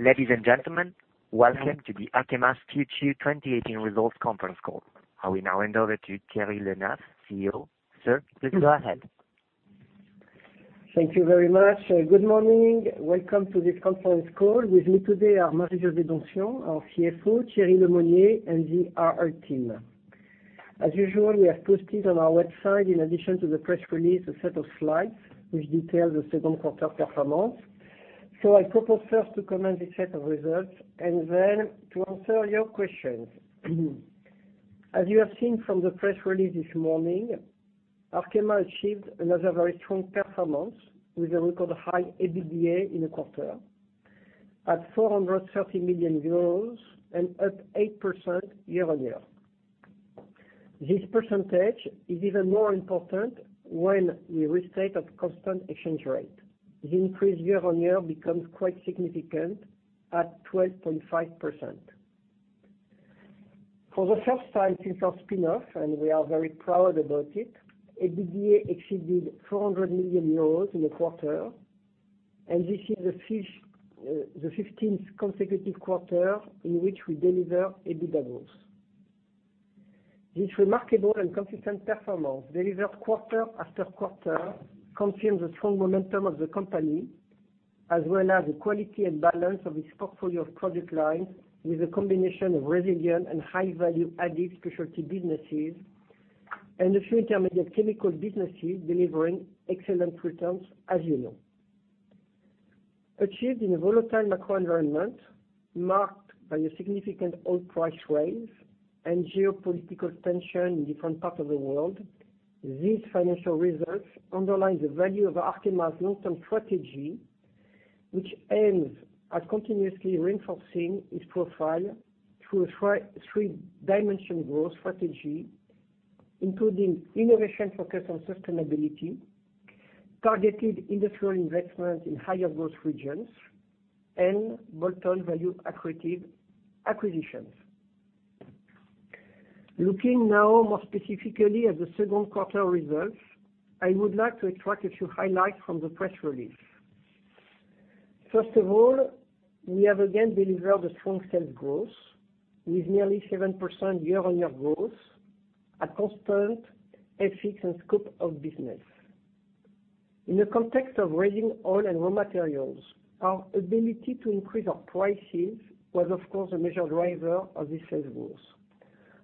Ladies and gentlemen, welcome to Arkema's Q2 2018 Results Conference Call. I will now hand over to Thierry Le Hénaff, CEO. Sir, please go ahead. Thank you very much. Good morning. Welcome to this conference call. With me today are Marie-José Donsion, our CFO, Thierry Lemonnier, and the IR team. As usual, we have posted on our website, in addition to the press release, a set of slides which detail the second quarter performance. I propose first to comment the set of results and then to answer your questions. As you have seen from the press release this morning, Arkema achieved another very strong performance with a record high EBITDA in the quarter at 430 million euros and up 8% year-on-year. This % is even more important when we restate at constant exchange rate. The increase year-on-year becomes quite significant at 12.5%. For the first time since our spin-off, we are very proud about it, EBITDA exceeded EUR 400 million in the quarter, this is the 15th consecutive quarter in which we deliver EBITDA growth. This remarkable and consistent performance, delivered quarter after quarter, confirms the strong momentum of the company, as well as the quality and balance of its portfolio of product lines with a combination of resilient and high value-added specialty businesses and a few intermediate chemical businesses delivering excellent returns as you know. Achieved in a volatile macro environment marked by a significant oil price rise and geopolitical tension in different parts of the world, these financial results underline the value of Arkema's long-term strategy, which aims at continuously reinforcing its profile through a three-dimension growth strategy, including innovation focused on sustainability, targeted industrial investments in higher growth regions, and bolt-on value-accretive acquisitions. Looking now more specifically at the second quarter results, I would like to extract a few highlights from the press release. First of all, we have again delivered a strong sales growth with nearly 7% year-on-year growth at constant FX and scope of business. In the context of raising oil and raw materials, our ability to increase our prices was, of course, a major driver of this sales growth.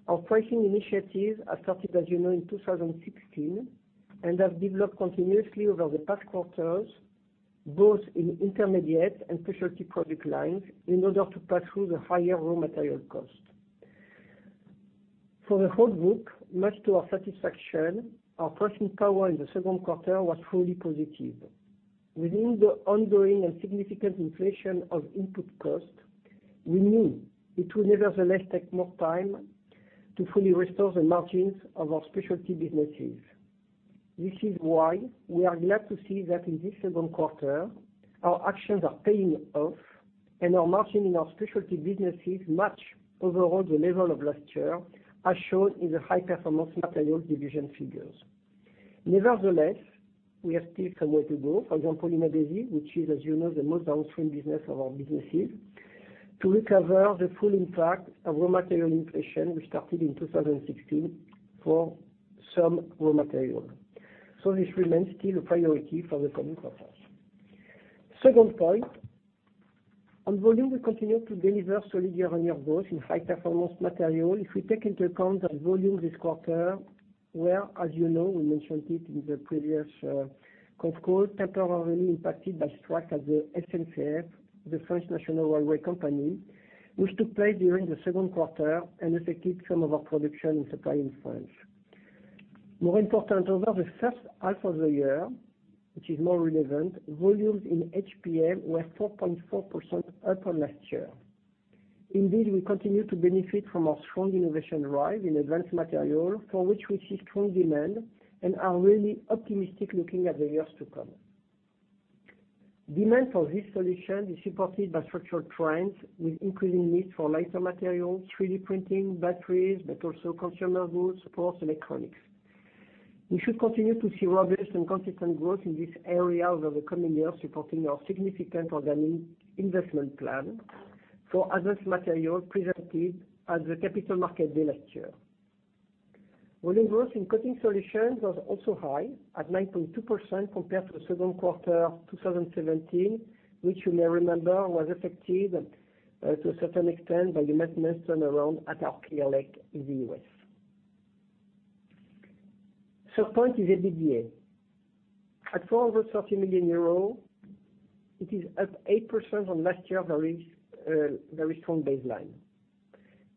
Our pricing initiatives have started, as you know, in 2016 and have developed continuously over the past quarters, both in intermediate and specialty product lines, in order to pass through the higher raw material cost. For the whole group, much to our satisfaction, our pricing power in the second quarter was fully positive. Within the ongoing and significant inflation of input costs, we knew it will nevertheless take more time to fully restore the margins of our specialty businesses. This is why we are glad to see that in this second quarter, our actions are paying off and our margin in our specialty businesses match overall the level of last year, as shown in the High Performance Materials division figures. Nevertheless, we have still some way to go, for example, in Adhesives, which is, as you know, the most downstream business of our businesses, to recover the full impact of raw material inflation which started in 2016 for some raw material. This remains still a priority for the coming quarters. Second point, on volume, we continue to deliver solid year-on-year growth in High Performance Materials. If we take into account that volumes this quarter were, as you know, we mentioned it in the previous conf call, temporarily impacted by strike at the SNCF, the French National Railway Company, which took place during the second quarter and affected some of our production and supply in France. More important, over the first half of the year, which is more relevant, volumes in HPM were 4.4% up on last year. Indeed, we continue to benefit from our strong innovation drive in Advanced Materials for which we see strong demand and are really optimistic looking at the years to come. Demand for this solution is supported by structural trends with increasing needs for lighter materials, 3D printing, batteries, but also consumer goods, sports, electronics. We should continue to see robust and consistent growth in this area over the coming years, supporting our significant organic investment plan for Advanced Materials presented at the Capital Markets Day last year. Volume growth in Coating Solutions was also high at 9.2% compared to the second quarter 2017, which you may remember, was affected to a certain extent by the maintenance turnaround at our Clear Lake in the U.S. Third point is EBITDA. At 430 million euros, it is up 8% on last year, very strong baseline.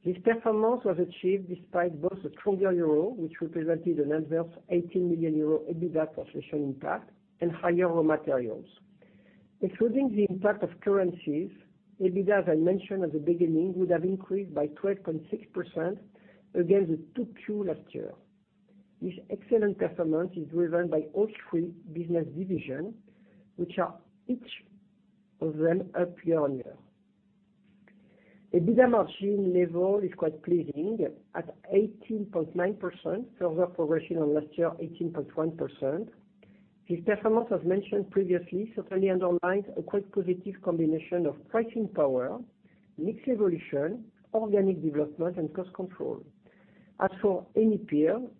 This performance was achieved despite both the stronger euro, which represented an adverse 18 million euro EBITDA oscillation impact and higher raw materials. Excluding the impact of currencies, EBITDA, as I mentioned at the beginning, would have increased by 12.6% against the 2Q last year. This excellent performance is driven by all three business divisions, which are each of them up year-on-year. EBITDA margin level is quite pleasing at 18.9%, further progression on last year, 18.1%. This performance, as mentioned previously, certainly underlines a quite positive combination of pricing power, mix evolution, organic development, and cost control. Overall, and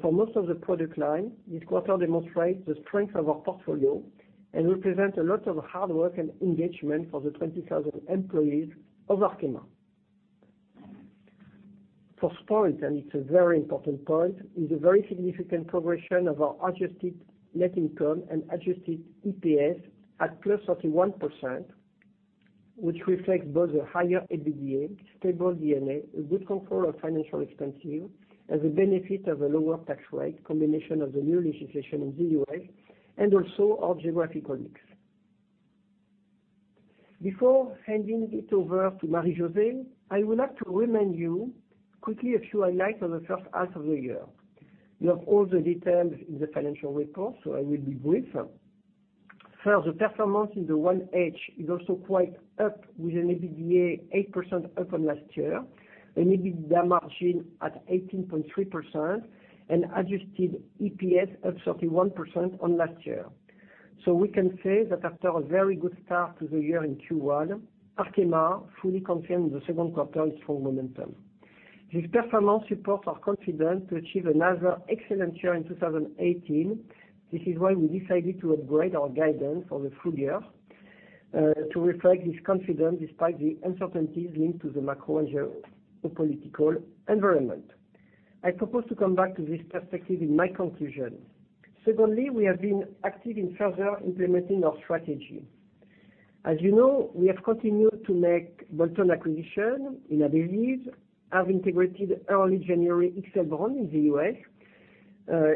for most of the product line, this quarter demonstrates the strength of our portfolio and represents a lot of hard work and engagement for the 20,000 employees of Arkema. First point, and it's a very important point, is a very significant progression of our adjusted net income and adjusted EPS at +31%, which reflects both a higher EBITDA, stable D&A, a good control of financial expenses, and the benefit of a lower tax rate, combination of the new legislation in the U.S. and also our geographic mix. Before handing it over to Marie-José, I would like to remind you quickly a few highlights of the first half of the year. You have all the details in the financial report, I will be brief. First, performance in the 1H is also quite up with an EBITDA 8% up on last year, an EBITDA margin at 18.3%, and adjusted EPS up 31% on last year. We can say that after a very good start to the year in Q1, Arkema fully confirmed the second quarter's full momentum. This performance supports our confidence to achieve another excellent year in 2018. This is why we decided to upgrade our guidance for the full year to reflect this confidence despite the uncertainties linked to the macro and geopolitical environment. I propose to come back to this perspective in my conclusion. Secondly, we have been active in further implementing our strategy. As you know, we have continued to make bolt-on acquisition in Adhesives, have integrated early January XL Brands in the U.S.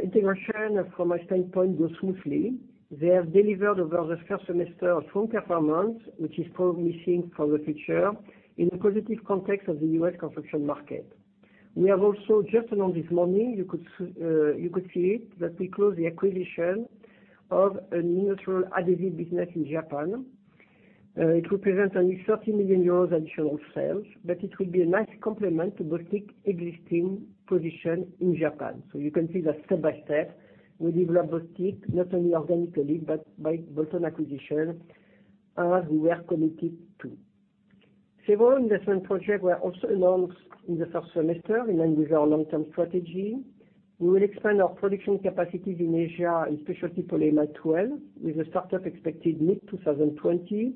Integration from my standpoint goes smoothly. They have delivered over the first semester a strong performance, which is promising for the future in the positive context of the U.S. construction market. We have also just announced this morning, you could see it, that we closed the acquisition of a neutral adhesive business in Japan. It represents only 30 million euros additional sales, but it will be a nice complement to Bostik existing position in Japan. You can see that step by step, we develop Bostik not only organically but by bolt-on acquisition, as we were committed to. Several investment projects were also announced in the first semester in line with our long-term strategy. We will expand our production capacities in Asia, in specialty polyamide 12, with the startup expected mid-2020,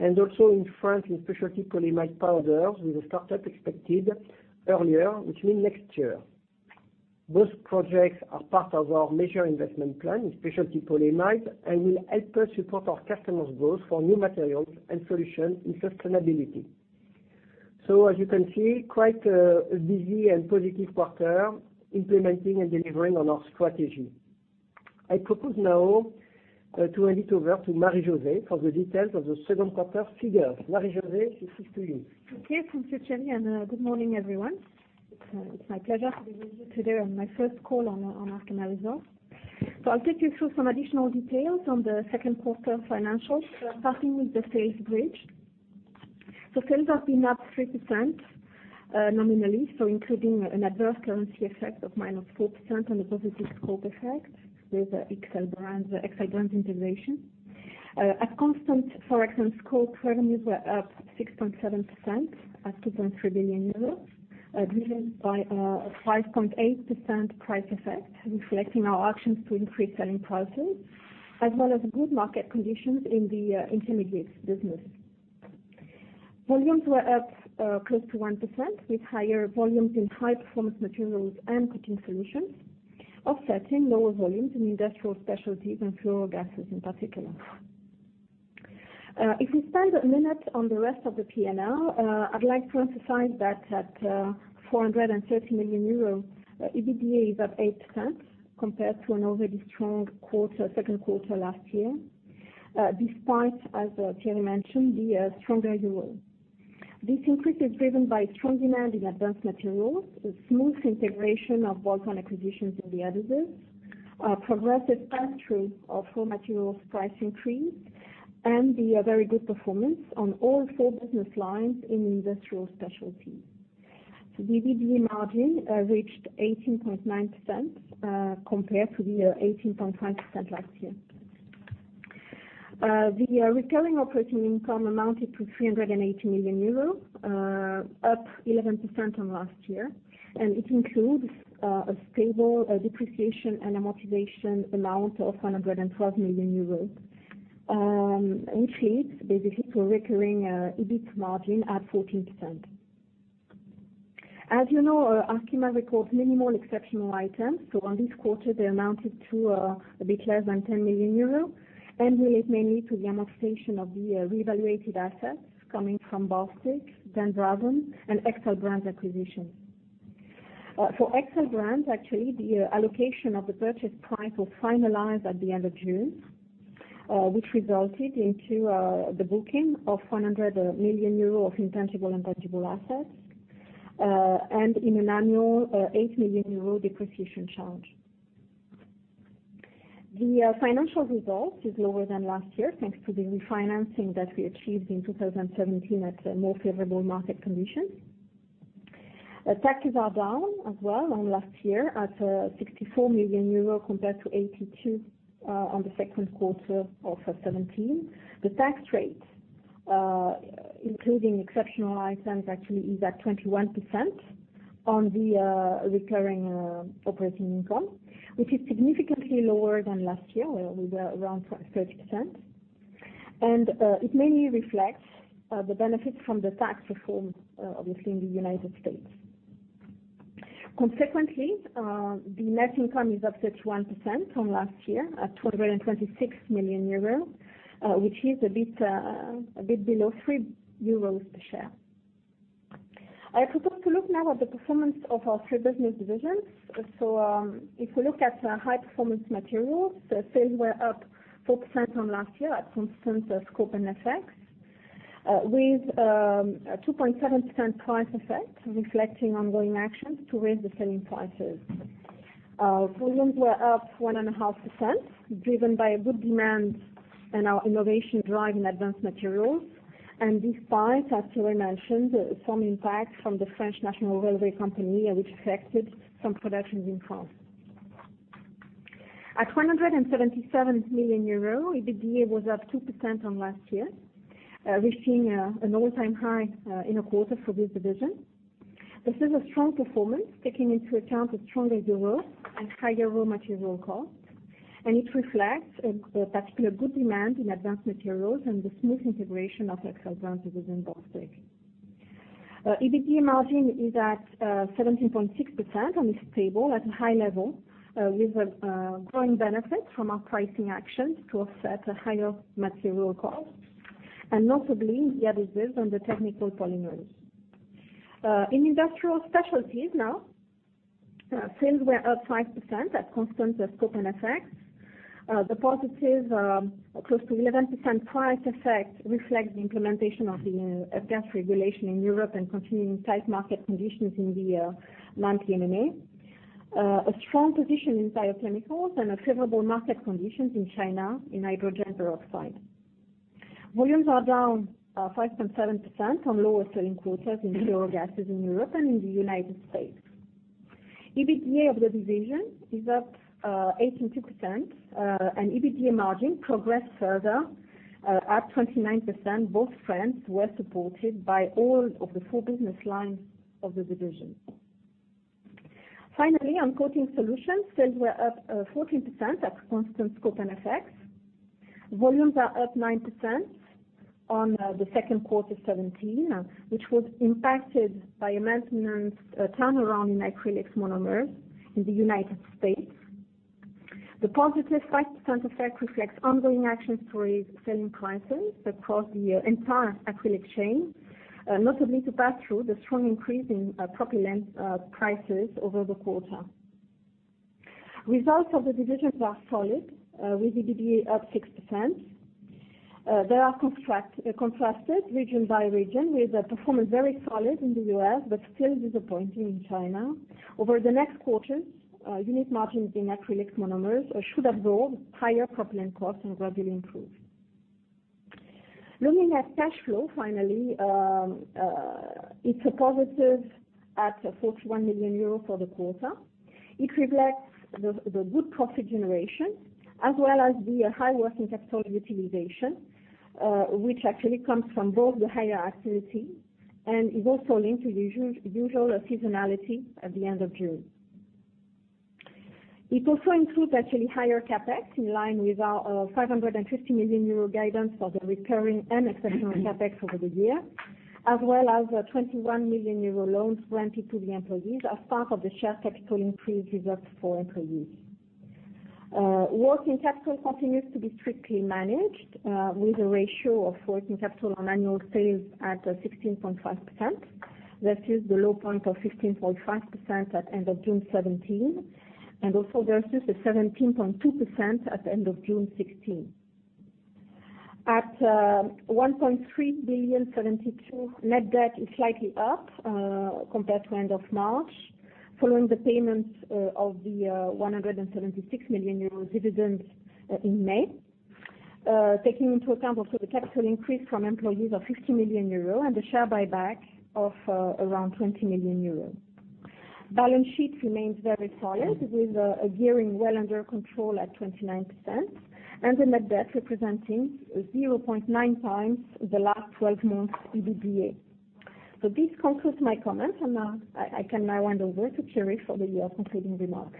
and also in France in specialty polyamide powders, with the startup expected earlier, which means next year. Those projects are part of our major investment plan in specialty polyamide and will help us support our customers' growth for new materials and solutions in sustainability. As you can see, quite a busy and positive quarter implementing and delivering on our strategy. I propose now to hand it over to Marie-José for the details of the second quarter figures. Marie-José, this is to you. Okay. Thank you, Thierry, and good morning, everyone. It's my pleasure to be with you today on my first call on Arkema results. I'll take you through some additional details on the second quarter financials, starting with the sales bridge. Sales have been up 3% nominally, so including an adverse currency effect of -4% and a positive scope effect with the XL Brands integration. At constant foreign exchange scope, revenues were up 6.7% at 2.3 billion euros, driven by a 5.8% price effect, reflecting our actions to increase selling prices as well as good market conditions in the Intermediates business. Volumes were up close to 1%, with higher volumes in High Performance Materials and Coating Solutions, offsetting lower volumes in Industrial Specialties and fluorogases in particular. If we spend a minute on the rest of the P&L, I'd like to emphasize that at 430 million euros, EBITDA is up 8% compared to an already strong second quarter last year, despite, as Thierry mentioned, the stronger euro. This increase is driven by strong demand in Advanced Materials, a smooth integration of bolt-on acquisitions in the Adhesives, a progressive pass-through of raw materials price increase, and the very good performance on all four business lines in Industrial Specialties. The EBITDA margin reached 18.9% compared to the 18.5% last year. The recurring operating income amounted to 380 million euros, up 11% from last year, and it includes a stable depreciation and amortization amount of 112 million euros, which leads basically to a recurring EBIT margin at 14%. As you know, Arkema records minimal exceptional items. This quarter, they amounted to a bit less than 10 million euros and relate mainly to the amortization of the revaluated assets coming from Bostik, Den Braven, and XL Brands acquisition. For XL Brands, actually, the allocation of the purchase price was finalized at the end of June. Which resulted into the booking of 100 million euro of intangible and tangible assets, and in an annual 8 million euro depreciation charge. The financial result is lower than last year, thanks to the refinancing that we achieved in 2017 at more favorable market conditions. Taxes are down as well on last year at 64 million euro compared to 82 million on the second quarter of 2017. The tax rate, including exceptional items, actually is at 21% on the recurring operating income, which is significantly lower than last year, where we were around 30%. It mainly reflects the benefits from the tax reform, obviously in the U.S. Consequently, the net income is up 31% from last year at 226 million euros, which is a bit below 3 euros a share. I propose to look now at the performance of our three business divisions. If we look at High Performance Materials, the sales were up 4% on last year at constant scope and FX, with a 2.7% price effect, reflecting ongoing actions to raise the selling prices. Volumes were up 1.5%, driven by good demand and our innovation drive in Advanced Materials, and despite, as Thierry mentioned, some impact from the French National Railway Company, which affected some production in France. At 277 million euro, EBITDA was up 2% on last year, reaching an all-time high in a quarter for this division. This is a strong performance, taking into account the stronger euro and higher raw material costs, and it reflects a particular good demand in Advanced Materials and the smooth integration of XL Brands within Bostik. EBITDA margin is at 17.6% and is stable at a high level, with a growing benefit from our pricing actions to offset higher material costs, and notably, good results on the technical polymers. In Industrial Specialties now, sales were up 5% at constant scope and FX. The positive close to 11% price effect reflects the implementation of the F-gas regulation in Europe and continuing tight market conditions in the non-PMMAs. A strong position in biochemicals and favorable market conditions in China in hydrogen peroxide. Volumes are down 5.7% on lower selling quotas in fluorogases in Europe and in the U.S. EBITDA of the division is up 18.2%, and EBITDA margin progressed further at 29%, both trends were supported by all of the four business lines of the division. On Coating Solutions, sales were up 14% at constant scope and FX. Volumes are up 9% on the second quarter of 2017, which was impacted by a maintenance turnaround in acrylic monomers in the United States. The positive 5% effect reflects ongoing actions to raise selling prices across the entire acrylic chain, notably to pass through the strong increase in propylene prices over the quarter. Results of the division are solid, with EBITDA up 6%. They are contrasted region by region, with performance very solid in the U.S. but still disappointing in China. Over the next quarters, unit margins in acrylic monomers should absorb higher propylene costs and gradually improve. Looking at cash flow, finally. It's a positive at €41 million for the quarter. It reflects the good profit generation as well as the high working capital utilization, which actually comes from both the higher activity and is also linked to the usual seasonality at the end of June. It also includes actually higher CapEx, in line with our €550 million guidance for the recurring and exceptional CapEx over the year, as well as a €21 million loan granted to the employees as part of the share capital increase reserved for employees. Working capital continues to be strictly managed with a ratio of working capital on annual sales at 16.5%, versus the low point of 15.5% at end of June 2017, and also versus the 17.2% at the end of June 2016. At 1,372 million, net debt is slightly up compared to end of March, following the payment of the 176 million euro dividends in May. Taking into account also the capital increase from employees of 50 million euro and the share buyback of around 20 million euro. Balance sheet remains very solid, with gearing well under control at 29%, and the net debt representing 0.9 times the last 12 months EBITDA. This concludes my comments, and I can now hand over to Thierry for the year concluding remarks.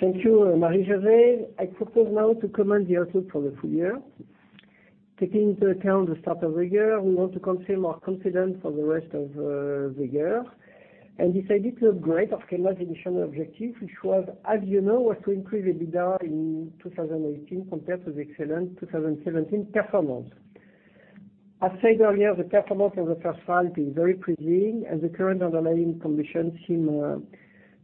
Thank you, Marie-José. I propose now to comment the outlook for the full year. Taking into account the start of the year, we want to confirm our confidence for the rest of the year and decided to upgrade Arkema's initial objective, which was, as you know, was to increase EBITDA in 2018 compared to the excellent 2017 performance. I said earlier, the performance of the first half is very pleasing, and the current underlying conditions seem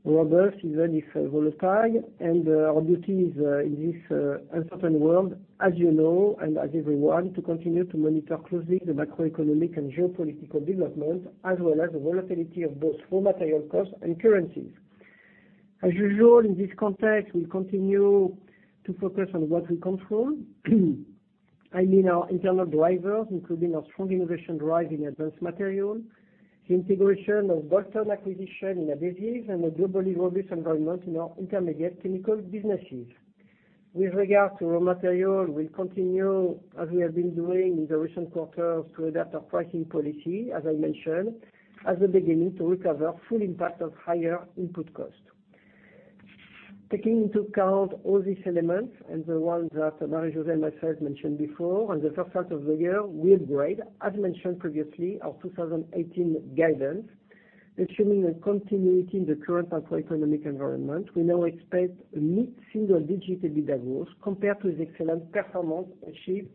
robust, even if volatile, and our duty is in this uncertain world, as you know and as everyone, to continue to monitor closely the macroeconomic and geopolitical development, as well as the volatility of both raw material costs and currencies. In this context, we'll continue to focus on what we control. I mean, our internal drivers, including our strong innovation drive in Advanced Materials, the integration of bolt-on acquisitions in Adhesives, and a globally robust environment in our intermediate chemical businesses. With regard to raw material, we'll continue, as we have been doing in the recent quarters, to adapt our pricing policy, as I mentioned, at the beginning, to recover full impact of higher input cost. Taking into account all these elements and the ones that Marie-José and myself mentioned before on the first half of the year, we upgrade, as mentioned previously, our 2018 guidance, assuming a continuity in the current macroeconomic environment. We now expect a mid-single digit EBITDA growth compared to the excellent performance achieved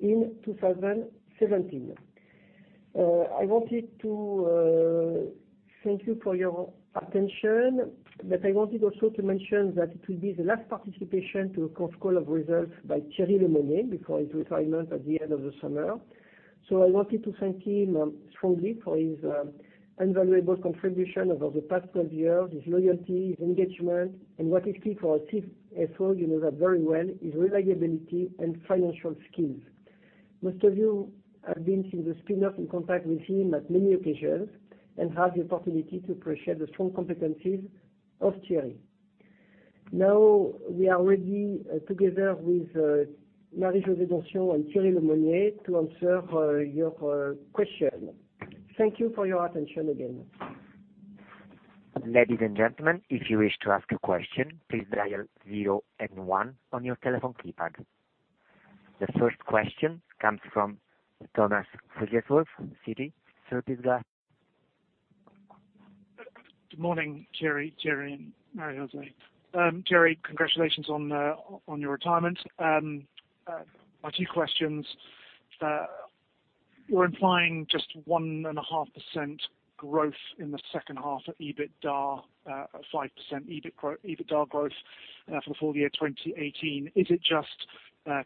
in 2017. I wanted to thank you for your attention. I also wanted to mention that it will be the last participation to a conf call of results by Thierry Lemonnier before his retirement at the end of the summer. I wanted to thank him strongly for his invaluable contribution over the past 12 years, his loyalty, his engagement, and what is key for a CFO, you know that very well, his reliability and financial skills. Most of you have been, since the spin-off, in contact with him at many occasions and have the opportunity to appreciate the strong competencies of Thierry. Now, we are ready, together with Marie-José Donsion and Thierry Lemonnier, to answer your question. Thank you for your attention again. Ladies and gentlemen, if you wish to ask a question, please dial zero and one on your telephone keypad. The first question comes from Tom Wrigglesworth from Citi. Sir, please go ahead. Good morning, Thierry and Marie-José. Thierry, congratulations on your retirement. A few questions. You're implying just 1.5% growth in the second half of EBITDA, 5% EBITDA growth for the full year 2018. Is it just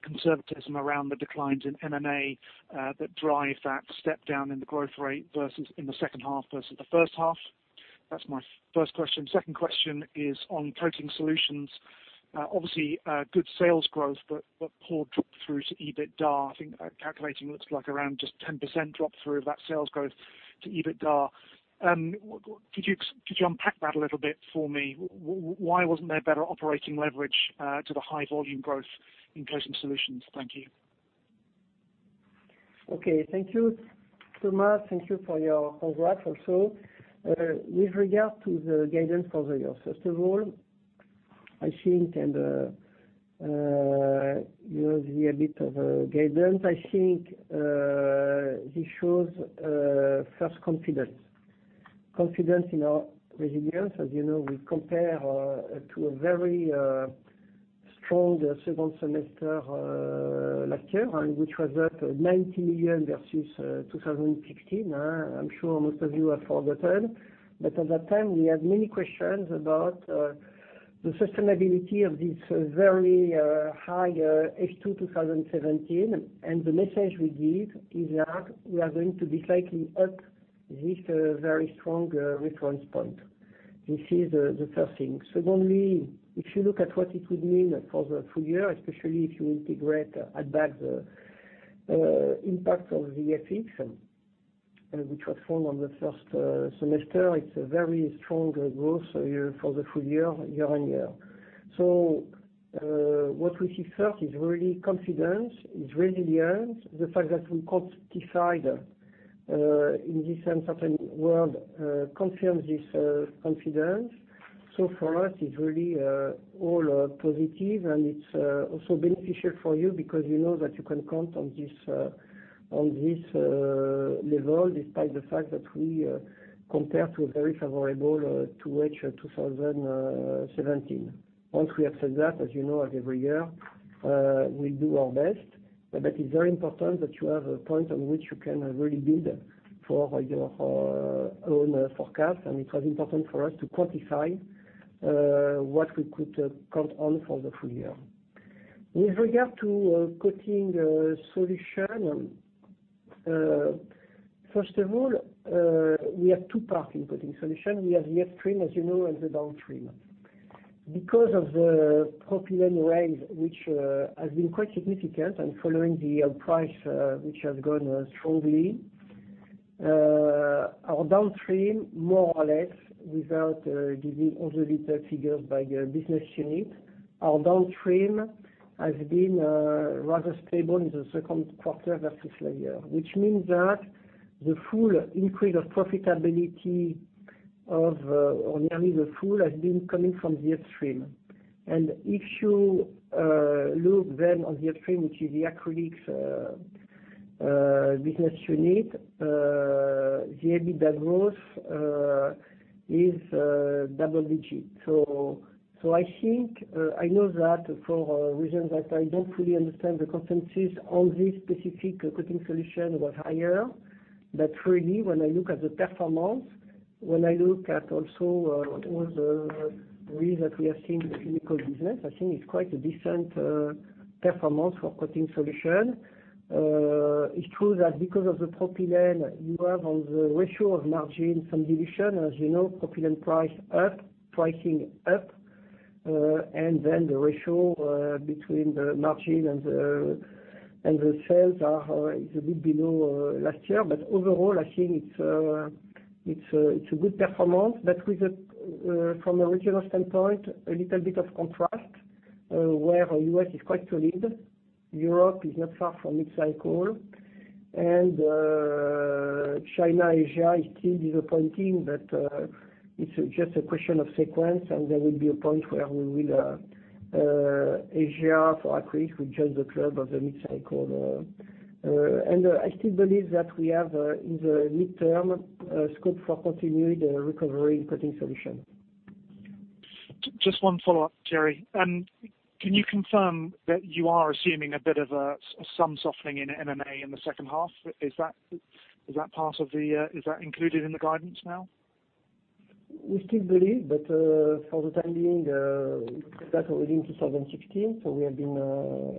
conservatism around the declines in M&A that drive that step down in the growth rate in the second half versus the first half? That's my first question. Second question is on Coating Solutions. Obviously, good sales growth, but poor drop through to EBITDA. I think calculating looks like around just 10% drop through of that sales growth to EBITDA. Could you unpack that a little bit for me? Why wasn't there better operating leverage to the high volume growth in Coating Solutions? Thank you. Okay. Thank you, Thomas. Thank you for your congrats also. With regard to the guidance for the year, first of all, I think you see a bit of a guidance. I think this shows first confidence. Confidence in our resilience. As you know, we compare to a very strong second semester last year, which was at 90 million versus 2016. I'm sure most of you have forgotten, but at that time, we had many questions about the sustainability of this very high H2 2017. The message we give is that we are going to be slightly up with a very strong reference point. This is the first thing. Secondly, if you look at what it would mean for the full year, especially if you integrate add-back impact of the FX, which was found on the first semester, it's a very strong growth for the full year-on-year. What we see first is really confidence, is resilience. The fact that we quantify in this uncertain world confirms this confidence. For us, it's really all positive, and it's also beneficial for you because you know that you can count on this level despite the fact that we compare to a very favorable 2H 2017. Once we have said that, as you know, as every year, we do our best. That is very important that you have a point on which you can really build for your own forecast. It was important for us to quantify what we could count on for the full year. With regard to Coating Solutions, first of all, we have two parts in Coating Solutions. We have the upstream, as you know, and the downstream. Because of the propylene rise, which has been quite significant and following the oil price, which has gone strongly, our downstream, more or less, without giving all the little figures by business unit, our downstream has been rather stable in the second quarter versus last year, which means that the full increase of profitability, or nearly the full, has been coming from the upstream. If you look then on the upstream, which is the acrylics business unit, the EBITDA growth is double-digit. I know that for reasons that I don't fully understand, the consensus on this specific Coating Solutions was higher. Really, when I look at the performance, when I look at also what was the read that we have seen in the chemical business, I think it's quite a decent performance for Coating Solutions. It's true that because of the propylene you have on the ratio of margin some dilution. As you know, propylene pricing up, the ratio between the margin and the sales is a bit below last year. Overall, I think it's a good performance. From a regional standpoint, a little bit of contrast, where U.S. is quite solid, Europe is not far from mid-cycle, and China, Asia is still disappointing. It's just a question of sequence, and there will be a point where Asia, for acrylic, will join the club of the mid-cycle. I still believe that we have, in the midterm, scope for continued recovery in Coating Solutions. Just one follow-up, Thierry. Can you confirm that you are assuming a bit of some softening in MMA in the second half? Is that included in the guidance now? We still believe, for the time being, we put that already in 2016. We have been wrong,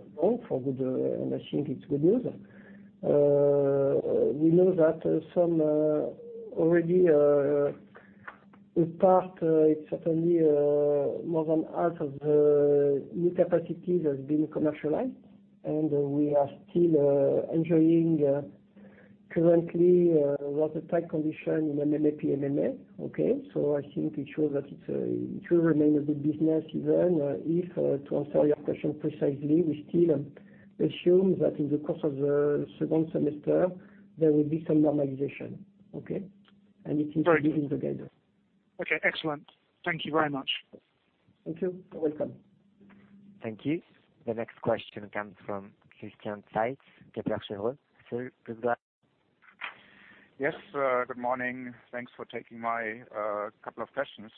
and I think it's good news. We know that already, a part, it's certainly more than half of the new capacities has been commercialized. We are still enjoying currently, watertight condition in MMA, PMMA. Okay? I think it shows that it will remain a good business even if, to answer your question precisely, we still assume that in the course of the second semester there will be some normalization. Okay? Great. It seems to be in the guidance. Okay, excellent. Thank you very much. Thank you. You’re welcome. Thank you. The next question comes from Christian Faitz, Kepler Cheuvreux. Sir, please go ahead. Yes, good morning. Thanks for taking my couple of questions.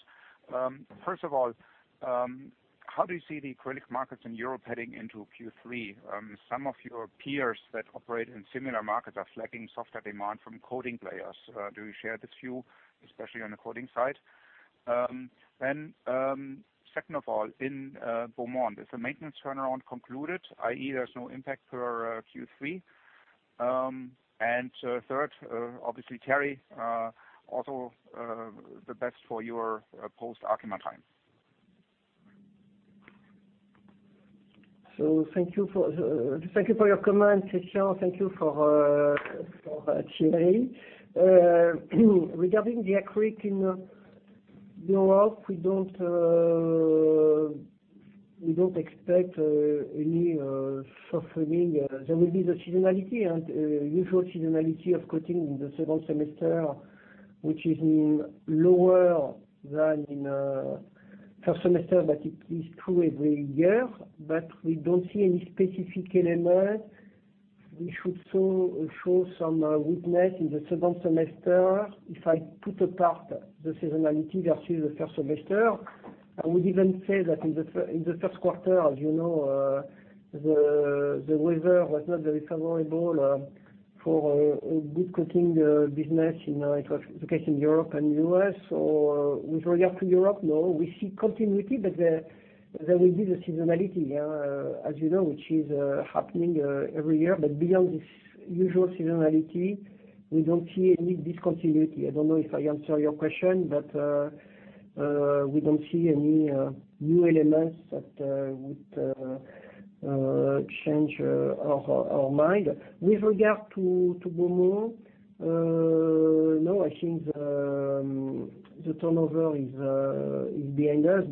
First of all, how do you see the acrylic markets in Europe heading into Q3? Some of your peers that operate in similar markets are flagging softer demand from coating players. Do you share this view, especially on the coating side? Second of all, in Beaumont, is the maintenance turnaround concluded, i.e., there’s no impact for Q3? Third, obviously, Thierry, also the best for your post-Arkema time. Thank you for your comment, Christian. Thank you for cheering me. Regarding the acrylic in Europe, we don’t expect any softening. There will be the seasonality and usual seasonality of coating in the second semester, which is lower than in first semester, but it is true every year. We don’t see any specific element which would show some weakness in the second semester if I put apart the seasonality versus the first semester. I would even say that in the first quarter, as you know, the weather was not very favorable for a good coating business. It was the case in Europe and U.S. With regard to Europe, no, we see continuity, there will be the seasonality, as you know, which is happening every year. Beyond this usual seasonality, we don’t see any discontinuity. I don't know if I answer your question. We don't see any new elements that would change our mind. With regard to Beaumont, no, I think the turnover is behind us.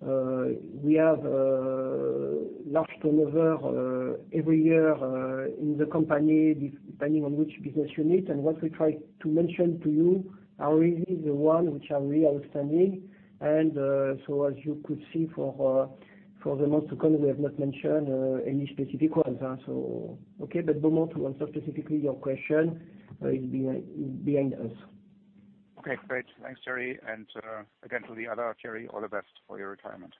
We have large turnover every year in the company, depending on which business unit. What we try to mention to you are really the one which are really outstanding. As you could see for the months to come, we have not mentioned any specific ones. Okay, but Beaumont, to answer specifically your question, is behind us. Okay, great. Thanks, Thierry. Again, to the other Thierry, all the best for your retirement.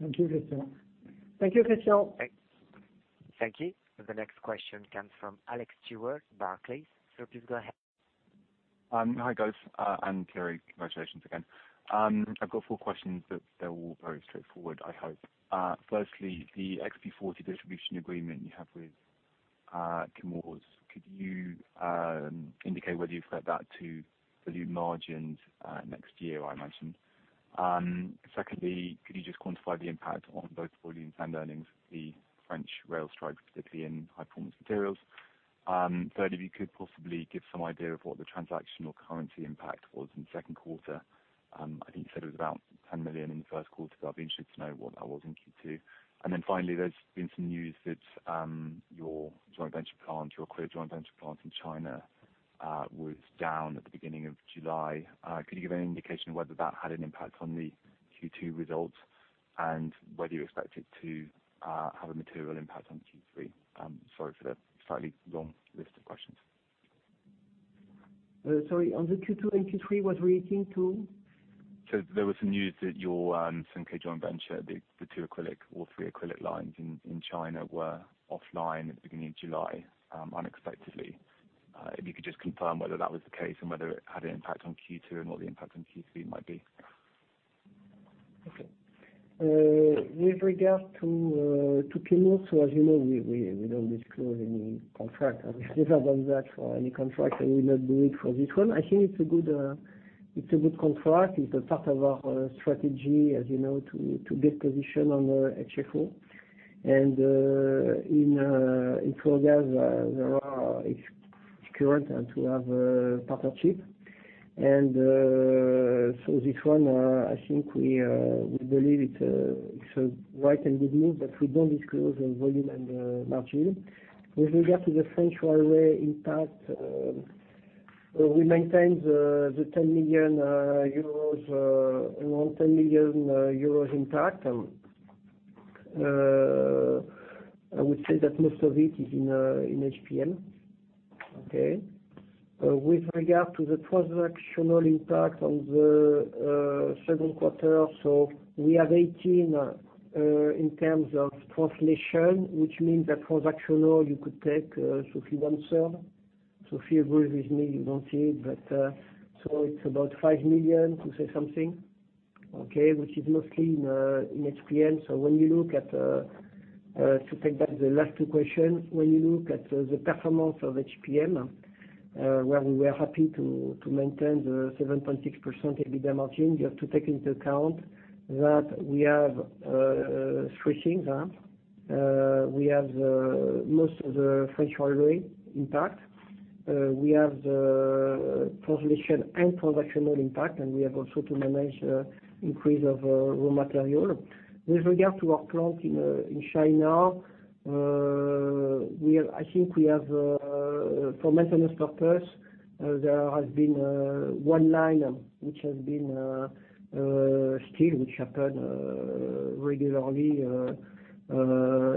Thank you, Christian. Thank you. The next question comes from Alex Stewart, Barclays. Please go ahead. Hi, guys. Thierry, congratulations again. I've got four questions, but they're all very straightforward, I hope. Firstly, the Opteon XP40 distribution agreement you have with Chemours, could you indicate whether you've fed that to dilute margins next year, I imagine? Secondly, could you just quantify the impact on both volumes and earnings, the French rail strikes, particularly in High Performance Materials? Third, if you could possibly give some idea of what the transactional currency impact was in the second quarter. I think you said it was about 10 million in the first quarter, so I'd be interested to know what that was in Q2. Finally, there's been some news that your joint venture plant, your clear joint venture plant in China, was down at the beginning of July. Could you give any indication of whether that had an impact on the Q2 results? Whether you expect it to have a material impact on Q3. Sorry for the slightly long list of questions. Sorry, on the Q2 and Q3 was relating to? There was some news that your joint venture, the two acrylic or three acrylic lines in China were offline at the beginning of July, unexpectedly. If you could just confirm whether that was the case and whether it had an impact on Q2 and what the impact on Q3 might be. Okay. With regard to [Pinu] as you know, we don't disclose any contract. We've never done that for any contract, and we'll not do it for this one. I think it's a good contract. It's a part of our strategy, as you know, to get position on HFO. In fluorogas, there are current and we have a partnership. This one, I think we believe it's a right and good move, but we don't disclose the volume and margin. With regard to the French railway impact, we maintain the EUR 10 million impact. I would say that most of it is in HPM. Okay. With regard to the transactional impact on the second quarter, we are 18, in terms of translation, which means that transactional, you could take, Sophie once said. Sophie agrees with me, you don't see it, but it's about 5 million, to say something, okay, which is mostly in HPM. To take back the last two questions, when you look at the performance of HPM, where we were happy to maintain the 7.6% EBITDA margin, you have to take into account that we have three things. We have most of the French railway impact. We have the translation and transactional impact, and we have also to manage increase of raw material. With regard to our plant in China, I think for maintenance purpose, there has been one line which has been still, which happened regularly,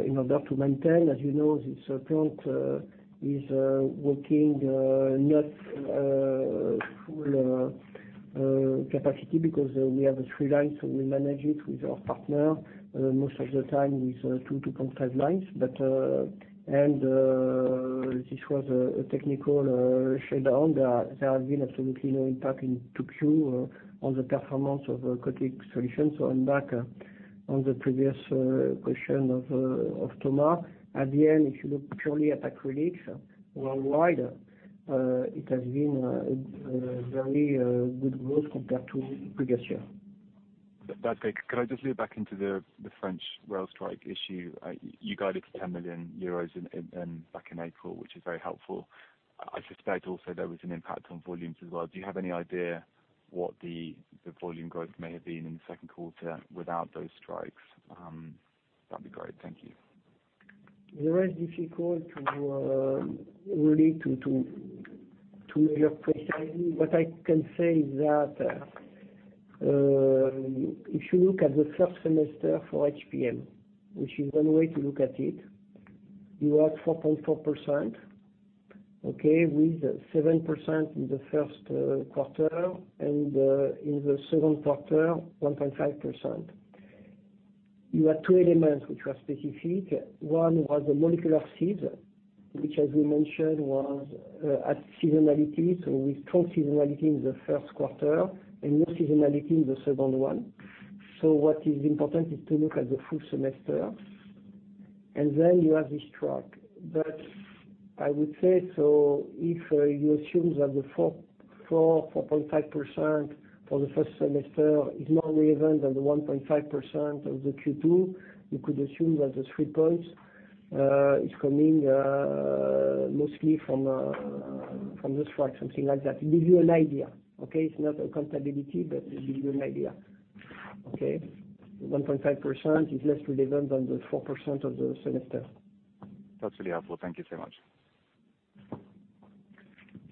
in order to maintain. As you know, this plant is working not full capacity because we have three lines, so we manage it with our partner most of the time with two, 2.5 lines. This was a technical shutdown. There has been absolutely no impact in 2Q on the performance of Acrylic Solutions. I'm back on the previous question of Thomas. At the end, if you look purely at acrylics worldwide, it has been a very good growth compared to previous year. That's great. Could I just loop back into the French rail strike issue? You guided to 10 million euros back in April, which is very helpful. I suspect also there was an impact on volumes as well. Do you have any idea what the volume growth may have been in the second quarter without those strikes? That'd be great. Thank you. Very difficult to relate precisely. What I can say is that, if you look at the first semester for HPM, which is one way to look at it, you are 4.4%, okay? With 7% in the first quarter, and in the second quarter, 1.5%. You have two elements which are specific. One was the molecular sieves, which as we mentioned, was at seasonality. With strong seasonality in the first quarter and no seasonality in the second one. What is important is to look at the full semester, and then you have the strike. I would say, so if you assume that the 4.5% for the first semester is more relevant than the 1.5% of the Q2, you could assume that the three points, is coming, mostly from the strike, something like that. To give you an idea. Okay? It's not accountability, it will give you an idea. Okay? 1.5% is less relevant than the 4% of the semester. That's really helpful. Thank you so much.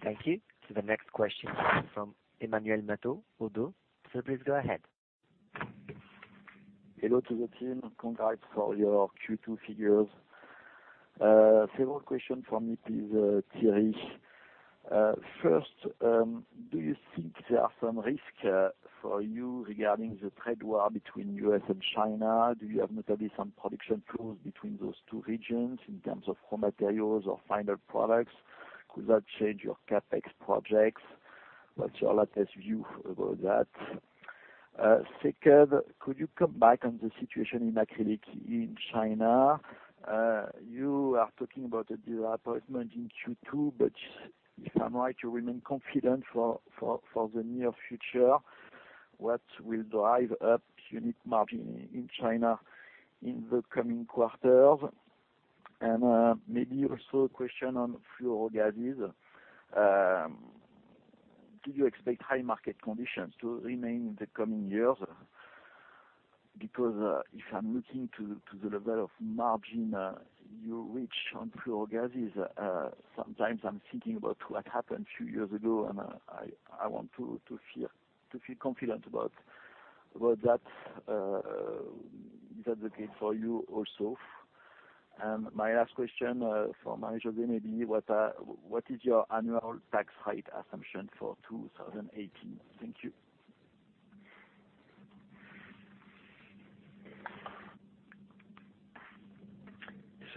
Thank you. To the next question from Emmanuel Matot. Please go ahead. Hello to the team. Congrats for your Q2 figures. Several questions from me, please, Thierry. First, do you think there are some risks for you regarding the trade war between U.S. and China? Do you have maybe some production tools between those two regions in terms of raw materials or final products? Could that change your CapEx projects? What's your latest view about that? Second, could you come back on the situation in acrylic in China? You are talking about a development in Q2, if I'm right, you remain confident for the near future. What will drive up unit margin in China in the coming quarters? Maybe also a question on fluorogases. Do you expect high market conditions to remain in the coming years? If I'm looking to the level of margin, you reach on fluorogases, sometimes I'm thinking about what happened a few years ago, I want to feel confident about that. Is that the case for you also? My last question for Marie-Josée maybe, what is your annual tax rate assumption for 2018? Thank you.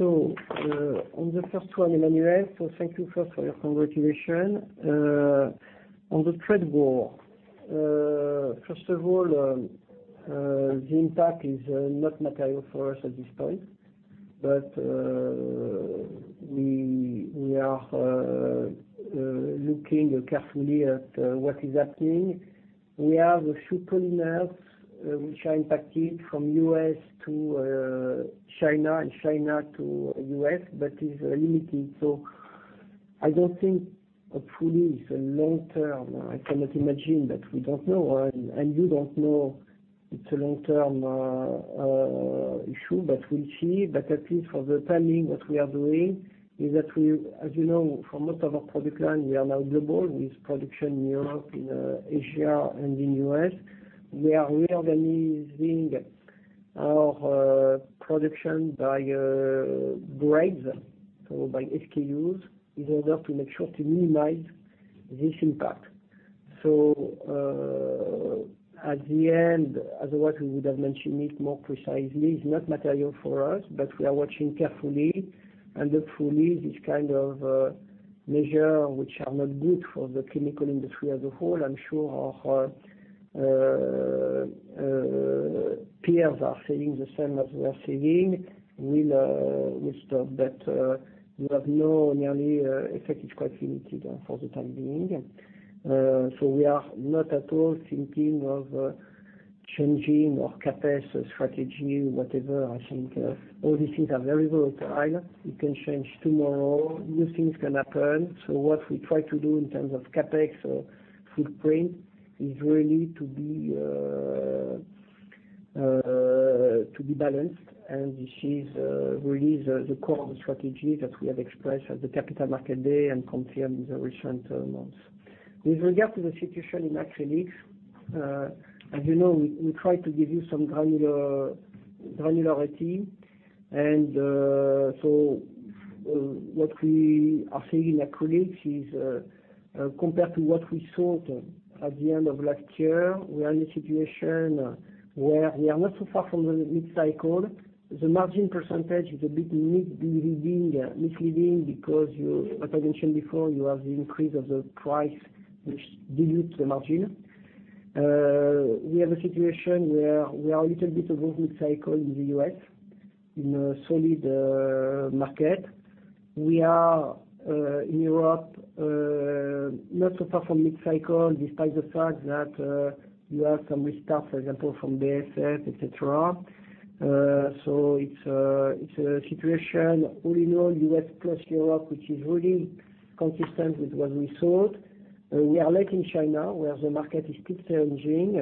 On the first one, Emmanuel, thank you first for your congratulations. On the trade war, first of all, the impact is not material for us at this point. We are looking carefully at what is happening. We have a few polymers which are impacted from U.S. to China and China to U.S., it's limited. I don't think hopefully it's a long-term. I cannot imagine, we don't know, you don't know, it's a long-term issue, we'll see. At least for the timing, what we are doing is that we, as you know, for most of our product lines, we are now global with production in Europe, in Asia and in U.S. We are reorganizing our production by grades, by SKUs, in order to make sure to minimize this impact. At the end, otherwise, we would have mentioned it more precisely, it's not material for us, we are watching carefully. Hopefully, this kind of measures, which are not good for the chemical industry as a whole, I'm sure our peers are saying the same as we are saying, will stop. We have no yearly effect. It's quite limited for the time being. We are not at all thinking of changing our CapEx strategy, whatever. I think all these things are very volatile. It can change tomorrow. New things can happen. What we try to do in terms of CapEx or footprint is really to be balanced, this is really the core of the strategy that we have expressed at the Capital Markets Day and confirmed in the recent months. With regard to the situation in acrylics, as you know, we try to give you some granularity. What we are seeing in acrylics is, compared to what we thought at the end of last year, we are in a situation where we are not so far from the mid-cycle. The margin percentage is a bit misleading because you, as I mentioned before, you have the increase of the price, which dilutes the margin. We have a situation where we are a little bit above mid-cycle in the U.S., in a solid market. We are in Europe, not so far from mid-cycle, despite the fact that you have some restart, for example, from BASF, et cetera. It's a situation all in all U.S. plus Europe, which is really consistent with what we thought. We are late in China, where the market is quick changing,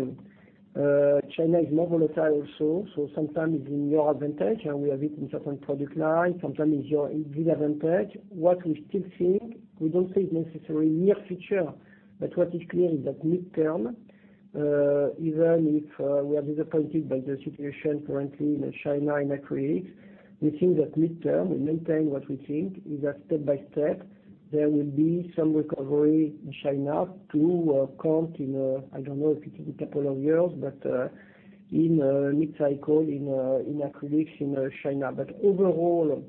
and China is more volatile also. Sometimes it's in your advantage, and we have it in certain product lines. Sometimes it's disadvantage. What we still think, we don't say it's necessarily near future, but what is clear is that mid-term, even if we are disappointed by the situation currently in China, in acrylics, we think that mid-term, we maintain what we think, is that step by step, there will be some recovery in China to count in, I don't know if it is a couple of years, but in mid-cycle in acrylics in China. Overall,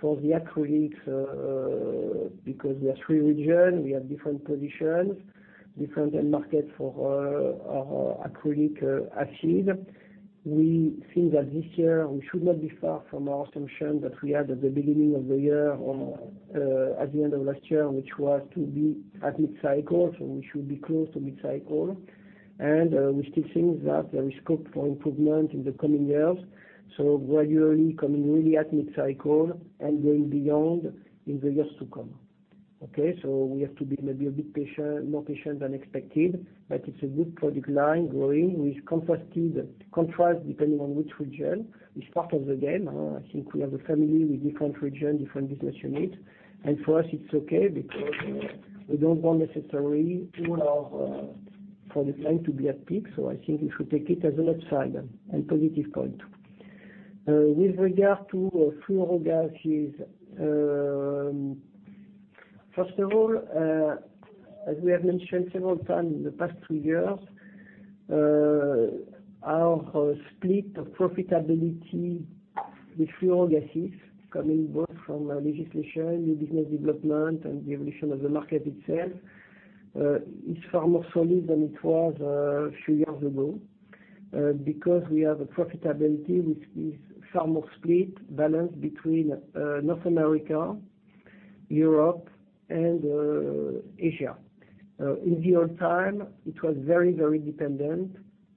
for the acrylics, because we are three region, we have different positions, different end markets for our acrylic acid. We think that this year we should not be far from our assumption that we had at the beginning of the year or at the end of last year, which was to be at mid-cycle, so we should be close to mid-cycle. We still think that there is scope for improvement in the coming years. Gradually coming really at mid-cycle and going beyond in the years to come. Okay. We have to be maybe a bit more patient than expected, but it's a good product line, growing with contrast depending on which region. It's part of the game. I think we have a family with different region, different business units. For us it's okay because we don't want necessarily all our product line to be at peak. I think we should take it as an upside and positive point. With regard to fluorogases, first of all, as we have mentioned several times in the past three years, our split of profitability with fluorogases coming both from legislation, new business development, and the evolution of the market itself, is far more solid than it was a few years ago, because we have a profitability which is far more split, balanced between North America, Europe and Asia. In the old time, it was very dependent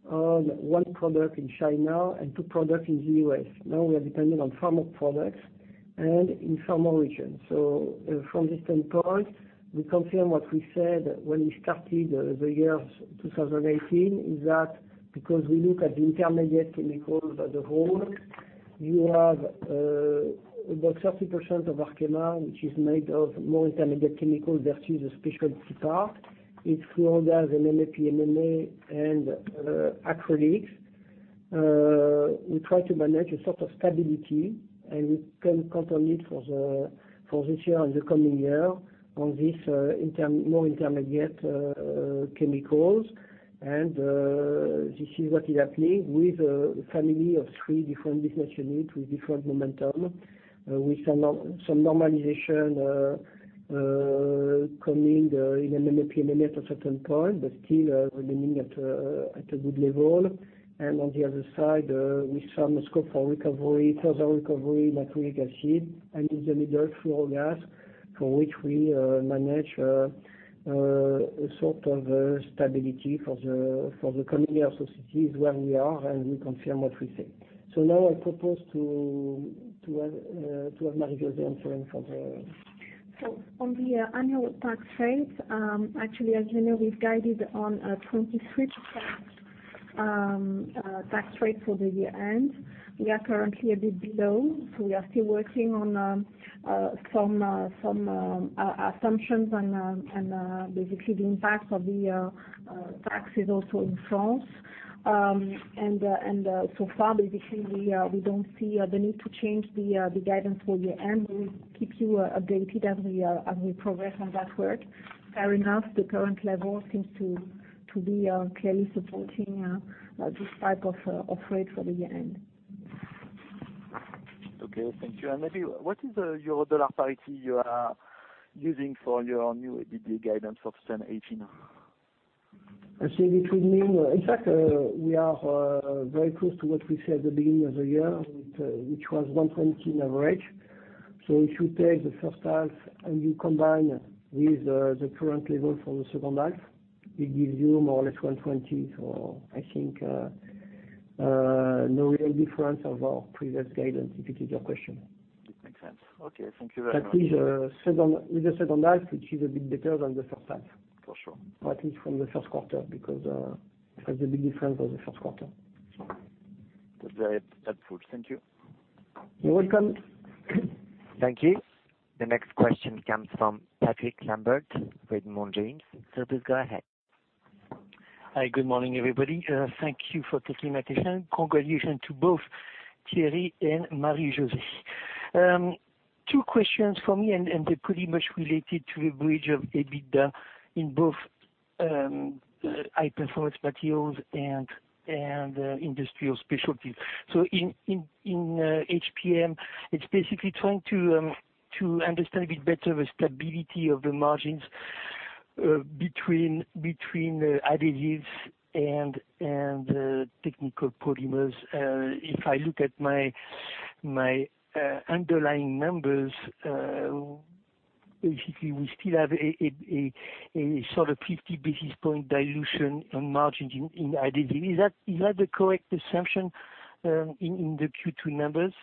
on one product in China and two products in the U.S. Now we are dependent on far more products and in far more regions. From this standpoint, we confirm what we said when we started the year 2018, is that because we look at the intermediate chemicals as a whole. You have about 30% of Arkema, which is made of more intermediate chemicals versus a specialty part. It's fluorogas, PMMA, MMA, and acrylics. We try to manage a sort of stability, we can count on it for this year and the coming year on these more intermediate chemicals. This is what is happening with a family of three different business units with different momentum. With some normalization coming in MMAP, MMA at a certain point, but still remaining at a good level. On the other side, we saw a scope for recovery, further recovery in acrylic acid and in the middle fluorogas, for which we manage a sort of stability for the coming years. This is where we are, and we confirm what we said. Now I propose to have Marie-José answering for the. On the annual tax rate, actually, as you know, we've guided on a 23% tax rate for the year-end. We are currently a bit below, so we are still working on some assumptions and basically the impact of the taxes also in France. So far, basically, we don't see the need to change the guidance for the end. We will keep you updated as we progress on that work. Fair enough, the current level seems to be clearly supporting this type of rate for the year-end. Okay, thank you. Maybe what is the euro-dollar parity you are using for your new EBITDA guidance for 2018? In fact, we are very close to what we said at the beginning of the year, which was 120 average. If you take the first half and you combine with the current level for the second half, it gives you more or less 120. I think no real difference of our previous guidance, if it is your question. Makes sense. Okay, thank you very much. That is with the second half, which is a bit better than the first half. For sure. At least from the first quarter, because it has a big difference for the first quarter. That's helpful. Thank you. You're welcome. Thank you. The next question comes from Patrick Lambert, Raymond James. Sir, please go ahead. Hi, good morning, everybody. Thank you for taking my question. Congratulations to both Thierry and Marie-José. Two questions from me, they're pretty much related to the bridge of EBITDA in both High Performance Materials and Industrial Specialties. In HPM, it's basically trying to understand a bit better the stability of the margins between Adhesives and technical polymers. If I look at my underlying numbers, basically we still have a sort of 50 basis point dilution on margins in Adhesives. Is that the correct assumption in the Q2 numbers?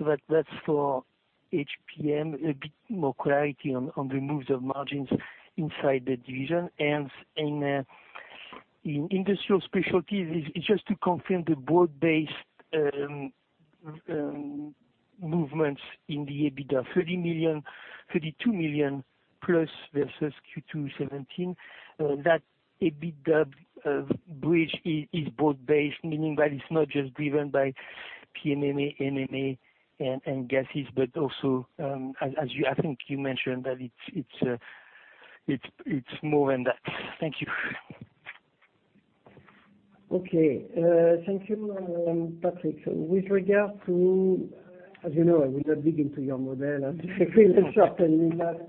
That's for HPM, a bit more clarity on the moves of margins inside the division. In Industrial Specialties, it's just to confirm the broad-based movements in the EBITDA, 32 million plus versus Q2 2017. That EBITDA bridge is broad-based, meaning that it is not just driven by PMMA, MMA, and fluorogas, but also, as I think you mentioned, that it is more than that. Thank you. Thank you, Patrick. As you know, I will not dig into your model. I am pretty certain in that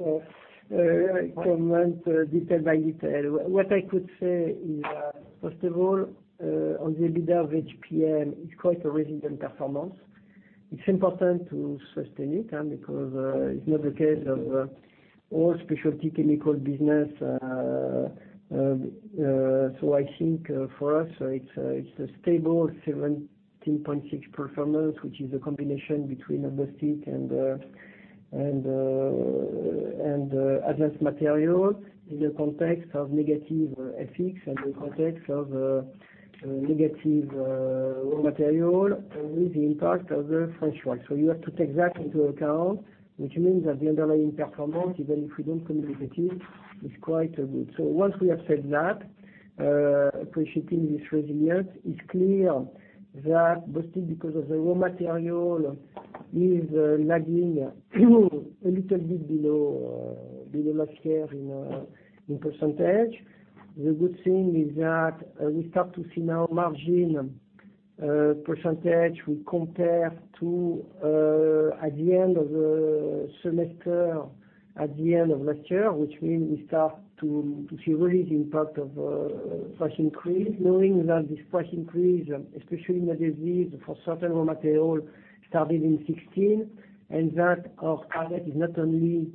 comment, detail by detail. What I could say is, first of all, on the EBITDA of HPM, it is quite a resilient performance. It is important to sustain it because it is not the case of all specialty chemical business. I think for us, it is a stable 17.6% performance, which is a combination between plastic and Advanced Materials in the context of negative FX and the context of negative raw materials and with the impact of the French work. You have to take that into account, which means that the underlying performance, even if we do not communicate it, is quite good. Once we have said that, appreciating this resilience, it is clear that mostly because of the raw material is lagging a little bit below last year in percentage. The good thing is that we start to see now margin percentage will compare to at the end of the semester, at the end of last year, which means we start to see really the impact of price increase, knowing that this price increase, especially in Adhesives for certain raw materials, started in 2016, and that our target is not only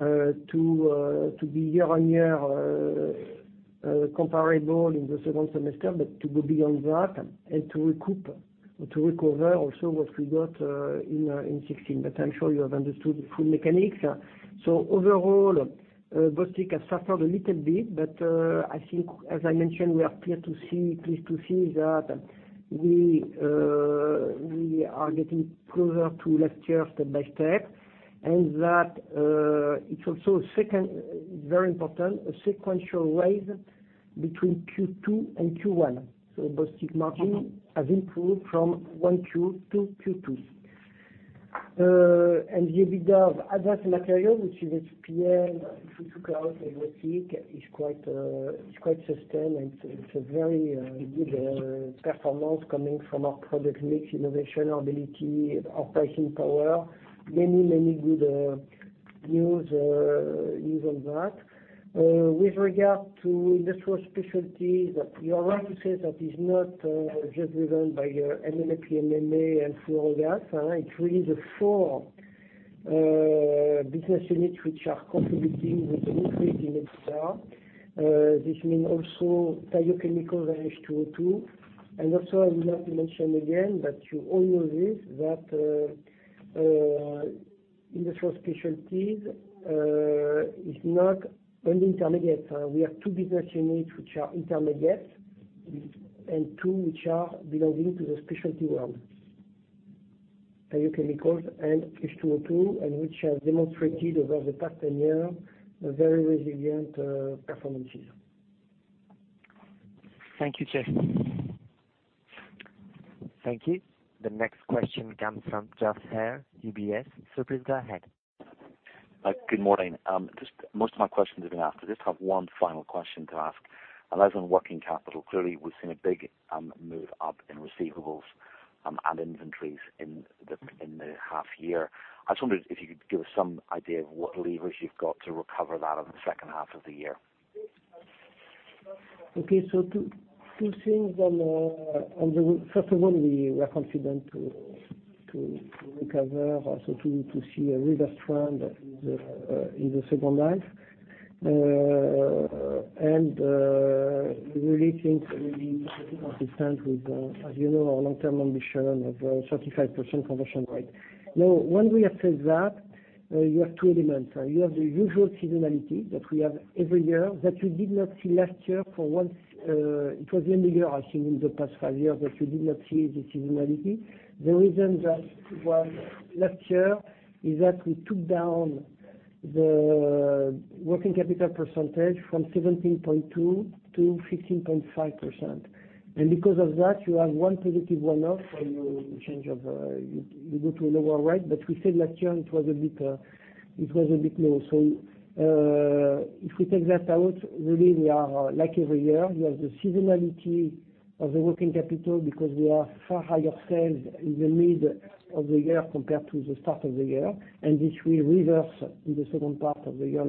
to be year-on-year comparable in the second semester, but to go beyond that and to recoup or to recover also what we got in 2016. I am sure you have understood the full mechanics. Overall, Bostik has suffered a little bit, but I think, as I mentioned, we are pleased to see that we are getting closer to last year step by step, and that it is also very important, a sequential rise between Q2 and Q1. Bostik margin has improved from 1Q to Q2. The EBITDA of Advanced Materials, which is HPM, if you took out Bostik, is quite sustained. It is a very good performance coming from our product mix, innovation ability, our pricing power. Many good news on that. With regard to Industrial Specialties, you are right to say that it is not just driven by PMMA, MMA, and fluorogas. It is really the four business units which are contributing with an operating EBITDA. This means also Thiochemicals and H2O2. I would like to mention again, you all know this, that Industrial Specialties is not only intermediates. We have two business units which are intermediates and two which are belonging to the specialty world, Thiochemicals and H2O2, and which have demonstrated over the past 10 years very resilient performances. Thank you, Geoff. Thank you. The next question comes from Geoff Haire, UBS. Please go ahead. Good morning. Most of my questions have been asked. I just have one final question to ask. On working capital, clearly, we've seen a big move up in receivables and inventories in the half year. I just wondered if you could give us some idea of what levers you've got to recover that in the second half of the year. Okay. Two things on. First of all, we are confident to recover, also to see a reverse trend in the second half. We really think we'll be consistent with, as you know, our long-term ambition of a 35% conversion rate. When we have said that, you have two elements. You have the usual seasonality that we have every year that you did not see last year for once. It was the end of year, I think, in the past five years that you did not see the seasonality. The reason that was last year is that we took down the working capital percentage from 17.2% to 15.5%. Because of that, you have one positive one-off when you go to a lower rate. We said last year it was a bit low. If we take that out, really we are like every year. We have the seasonality of the working capital because we have far higher sales in the middle of the year compared to the start of the year, This will reverse in the second part of the year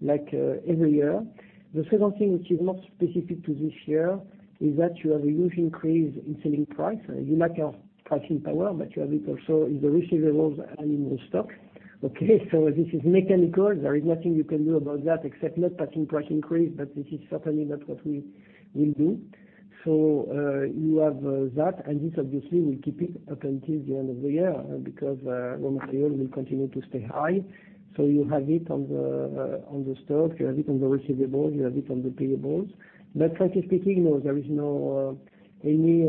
like every year. The second thing, which is not specific to this year, is that you have a huge increase in selling price. You like your pricing power, but you have it also in the receivables and in the stock. This is mechanical. There is nothing you can do about that except not passing price increase, but This is certainly not what we will do. You have that, and this obviously will keep it up until the end of the year because raw material will continue to stay high. So you have it on the stock, you have it on the receivables, you have it on the payables. Frankly speaking, no, there is any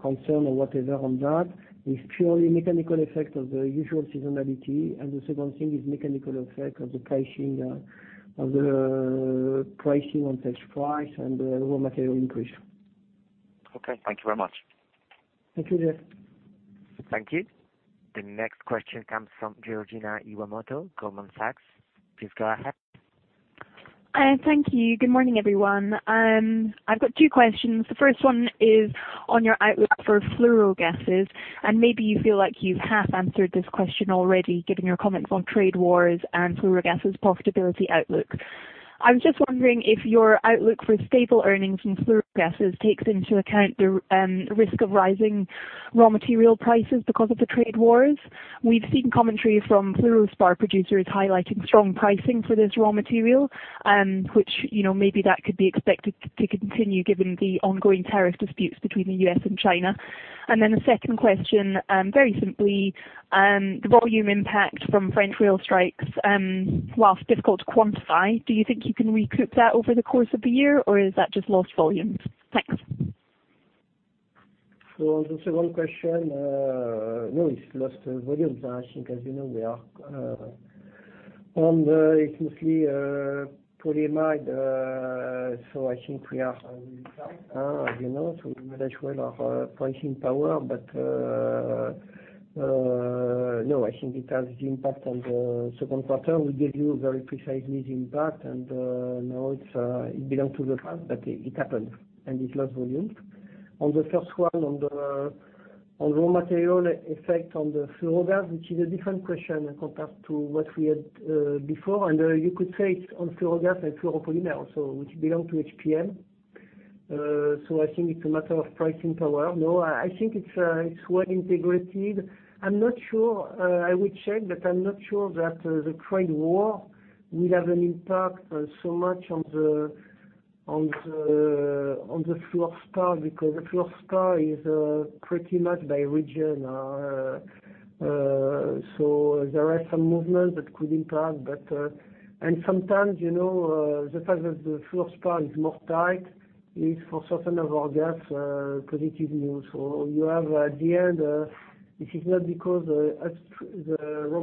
concern or whatever on that. It is purely mechanical effect of the usual seasonality, The second thing is mechanical effect of the pricing on sales price and raw material increase. Okay. Thank you very much. Thank you, Geoff. Thank you. The next question comes from Georgina Iwamoto, Goldman Sachs. Please go ahead. Thank you. Good morning, everyone. I've got two questions. The first one is on your outlook for fluorogases. Maybe you feel like you've half-answered this question already, given your comments on trade wars and fluorogases profitability outlook. I was just wondering if your outlook for stable earnings from fluorogases takes into account the risk of rising raw material prices because of the trade wars. We've seen commentary from fluorspar producers highlighting strong pricing for this raw material, which maybe that could be expected to continue given the ongoing tariff disputes between the U.S. and China. The second question, very simply, the volume impact from French rail strikes, whilst difficult to quantify, do you think you can recoup that over the course of the year, or is that just lost volumes? Thanks. On the second question, no, it's lost volumes. I think as you know, we are on, if you see, polyamide. I think we are as you know, we manage well our pricing power. No, I think it has the impact on the second quarter. We gave you very precisely the impact, and now it belongs to the past, but it happened, and it's lost volume. On the first one, on raw material effect on the fluorogases, which is a different question compared to what we had before. You could say it's on fluorogas and fluoropolymer also, which belong to HPM. I think it's a matter of pricing power. No, I think it's well integrated. I will check, but I'm not sure that the trade war will have an impact so much on the fluorspar, because the fluorspar is pretty much by region. There are some movements that could impact. Sometimes, the fact that the fluorspar is more tight is, for certain of our guests, positive news. You have at the end, if it's not because the raw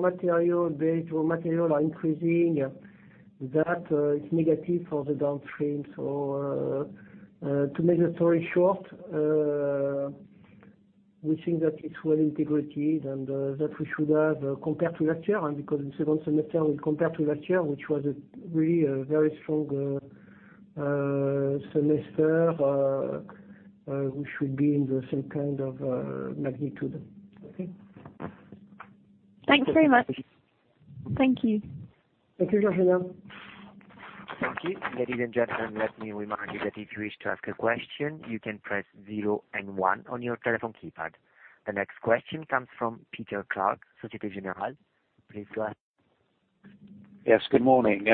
material are increasing, that is negative for the downstream. To make the story short, we think that it's well integrated and that we should have compared to last year, and because the second semester we compare to last year, which was a very strong semester, we should be in the same kind of magnitude. Okay. Thanks very much. Thank you. Thank you, Georgina. Thank you. Ladies and gentlemen, let me remind you that if you wish to ask a question, you can press zero and one on your telephone keypad. The next question comes from Peter Clark, Societe Generale. Please go ahead. Yes, good morning.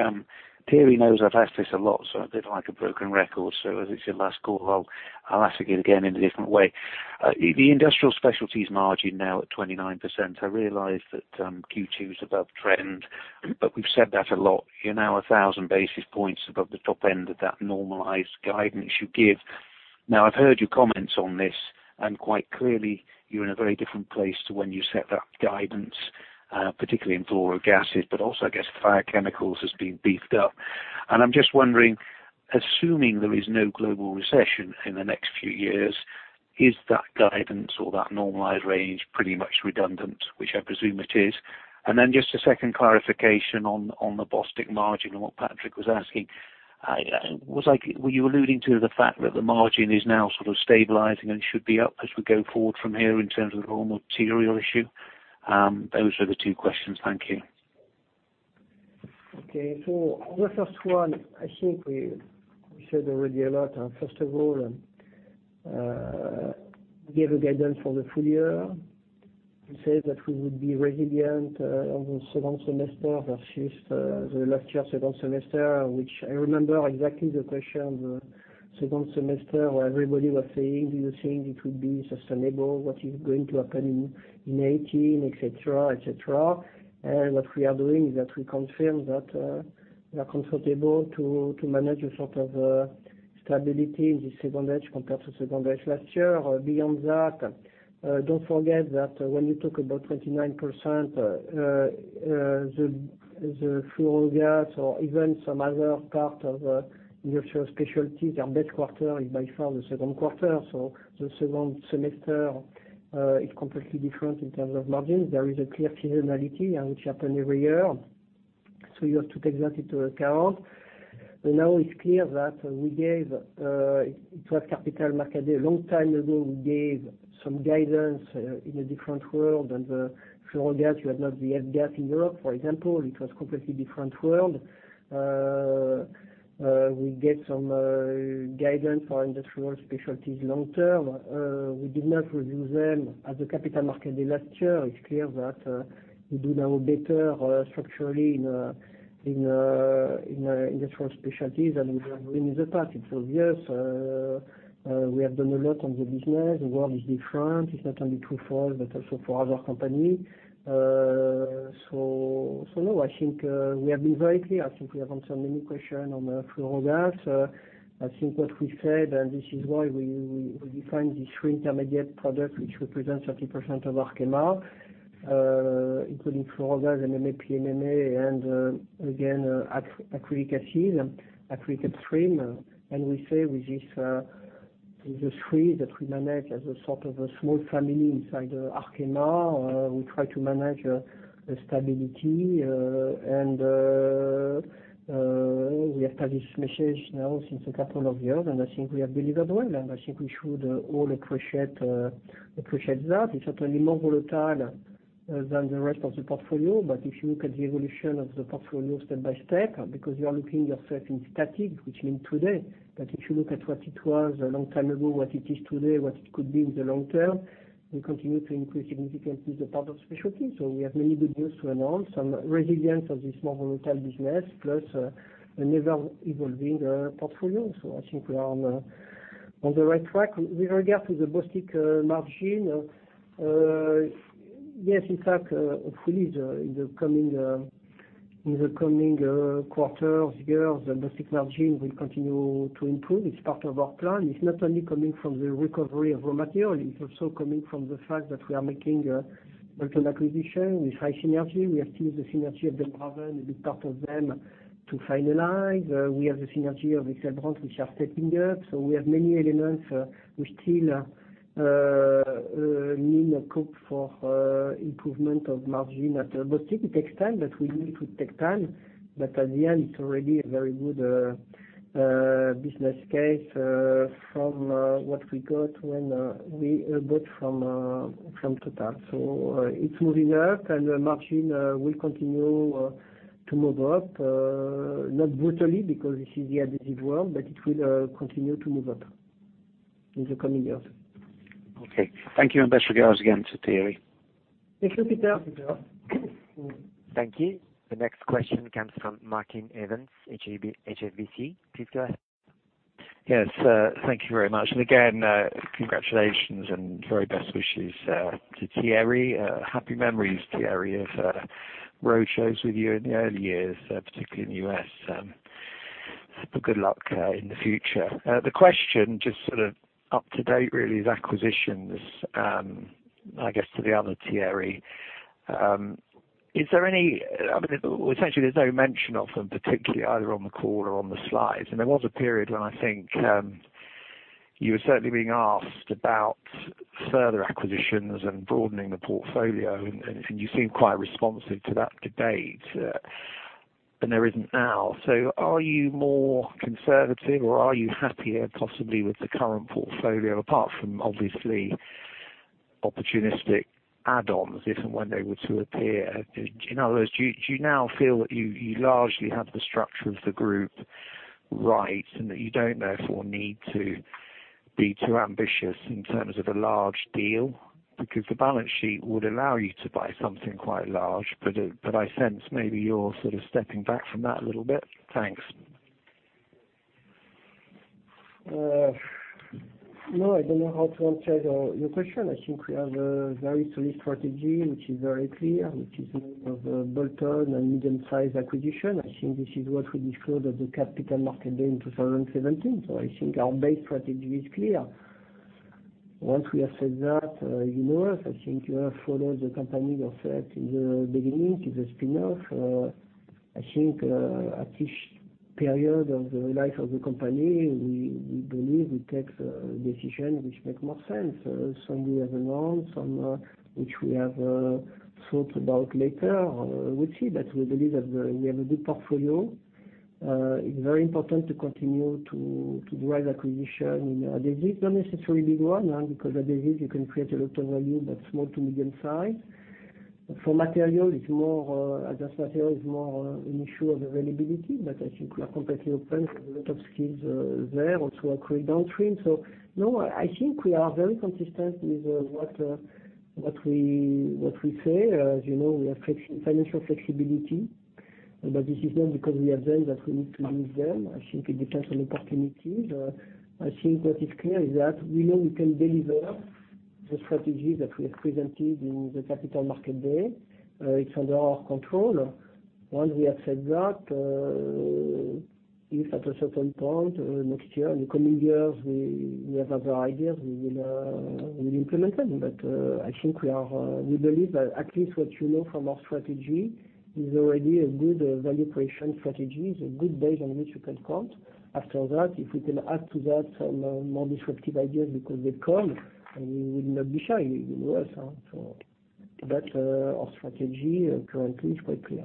Thierry knows I've asked this a lot, a bit like a broken record. As it's your last call, I'll ask it again in a different way. The Industrial Specialties margin now at 29%, I realize that Q2's above trend, but we've said that a lot. You're now 1,000 basis points above the top end of that normalized guidance you give. I've heard your comments on this, quite clearly, you're in a very different place to when you set that guidance, particularly in fluorogases, but also, I guess, fine chemicals has been beefed up. I'm just wondering, assuming there is no global recession in the next few years, is that guidance or that normalized range pretty much redundant, which I presume it is? Then just a second clarification on the Bostik margin and what Patrick was asking. Were you alluding to the fact that the margin is now sort of stabilizing and should be up as we go forward from here in terms of the raw material issue? Those are the two questions. Thank you. Okay. On the first one, I think we said already a lot. First of all, we gave a guidance for the full year. We said that we would be resilient on the second semester versus the last year second semester, which I remember exactly the question the second semester where everybody was saying, "Do you think it will be sustainable? What is going to happen in 2018?" Et cetera. What we are doing is that we confirm that we are comfortable to manage a sort of stability in the second edge compared to second edge last year. Beyond that, don't forget that when you talk about 29%, the fluorogas or even some other part of Industrial Specialties, their best quarter is by far the second quarter. The second semester is completely different in terms of margins. There is a clear seasonality which happen every year. You have to take that into account. Now it's clear that it was Capital Markets Day a long time ago. We gave some guidance in a different world and the fluorogas, you had not the F-gas in Europe, for example. It was completely different world. We get some guidance for Industrial Specialties long-term. We did not review them at the Capital Markets Day last year. It's clear that we do now better structurally in Industrial Specialties than we were doing in the past. It's obvious. We have done a lot on the business. The world is different. It's not only true for us, but also for other company. No, I think we have been very clear. I think we have answered many question on fluorogas. I think what we said, This is why we define the three intermediate products which represent 30% of Arkema, including fluorogas, MMA, PMMA, and, again, acrylic acid, acrylic stream. We say with this, the three that we manage as a sort of a small family inside Arkema. We try to manage the stability. We have had this message now since a couple of years, I think we have delivered well, I think we should all appreciate that. It's certainly more volatile than the rest of the portfolio, if you look at the evolution of the portfolio step by step, because you are looking yourself in static, which means today. If you look at what it was a long time ago, what it is today, what it could be in the long term, we continue to increase significantly the part of specialty. We have many good news to announce. Some resilience of this more volatile business, plus an ever-evolving portfolio. I think we are on the right track. With regard to the Bostik margin. Yes, in fact, hopefully in the coming quarters, years, the Bostik margin will continue to improve. It's part of our plan. It's not only coming from the recovery of raw material, it's also coming from the fact that we are making a certain acquisition with high synergy. We have still the synergy of Den Braven, a big part of them to finalize. We have the synergy of XL Brands, which are stepping up. We have many elements. We still need a scope for improvement of margin at Bostik. It takes time, but we knew it would take time. At the end, it's already a very good business case, from what we got when we bought from Total. It's moving up, and margin will continue to move up. Not brutally, because this is the adhesive world, but it will continue to move up. In the coming years. Okay. Thank you and best regards again to Thierry. Thank you, Peter. Thank you. The next question comes from Martin Evans, HSBC. Please go ahead. Yes. Thank you very much. Again, congratulations and very best wishes to Thierry. Happy memories, Thierry, of road shows with you in the early years, particularly in the U.S. Good luck in the future. The question, just sort of up to date really, is acquisitions, I guess, to the other Thierry. Essentially, there's no mention of them particularly, either on the call or on the slides. There was a period when I think you were certainly being asked about further acquisitions and broadening the portfolio, and you seem quite responsive to that debate, and there isn't now. Are you more conservative, or are you happier possibly with the current portfolio, apart from obviously opportunistic add-ons, if and when they were to appear? In other words, do you now feel that you largely have the structure of the group right and that you don't therefore need to be too ambitious in terms of a large deal? The balance sheet would allow you to buy something quite large, but I sense maybe you're sort of stepping back from that a little bit. Thanks. I don't know how to answer your question. I think we have a very solid strategy, which is very clear, which is more of a bolt-on and medium-size acquisition. I think this is what we disclosed at the Capital Markets Day in 2017. I think our base strategy is clear. Once we have said that, you know us. I think you have followed the company yourself since the beginning, since the spin-off. I think at each period of the life of the company, we believe we take decisions which make more sense. Some we have announced, some which we have thought about later. We'll see. We believe that we have a good portfolio. It's very important to continue to drive acquisition in Adhesives. Not necessarily big one. Adhesives, you can create a lot of value, but small to medium size. For Materials, it's more an issue of availability. I think we are completely open. A lot of skills are there also across downstream. No, I think we are very consistent with what we say. As you know, we have financial flexibility. This is not because we have them that we need to use them. I think it depends on opportunities. I think what is clear is that we know we can deliver the strategy that we have presented in the Capital Markets Day. It's under our control. Once we accept that, if at a certain point next year, in the coming years, we have other ideas, we will implement them. I think we believe that at least what you know from our strategy is already a good value creation strategy. It's a good base on which you can count. After that, if we can add to that some more disruptive ideas because they come, we will not be shy. You know us. Our strategy currently is quite clear.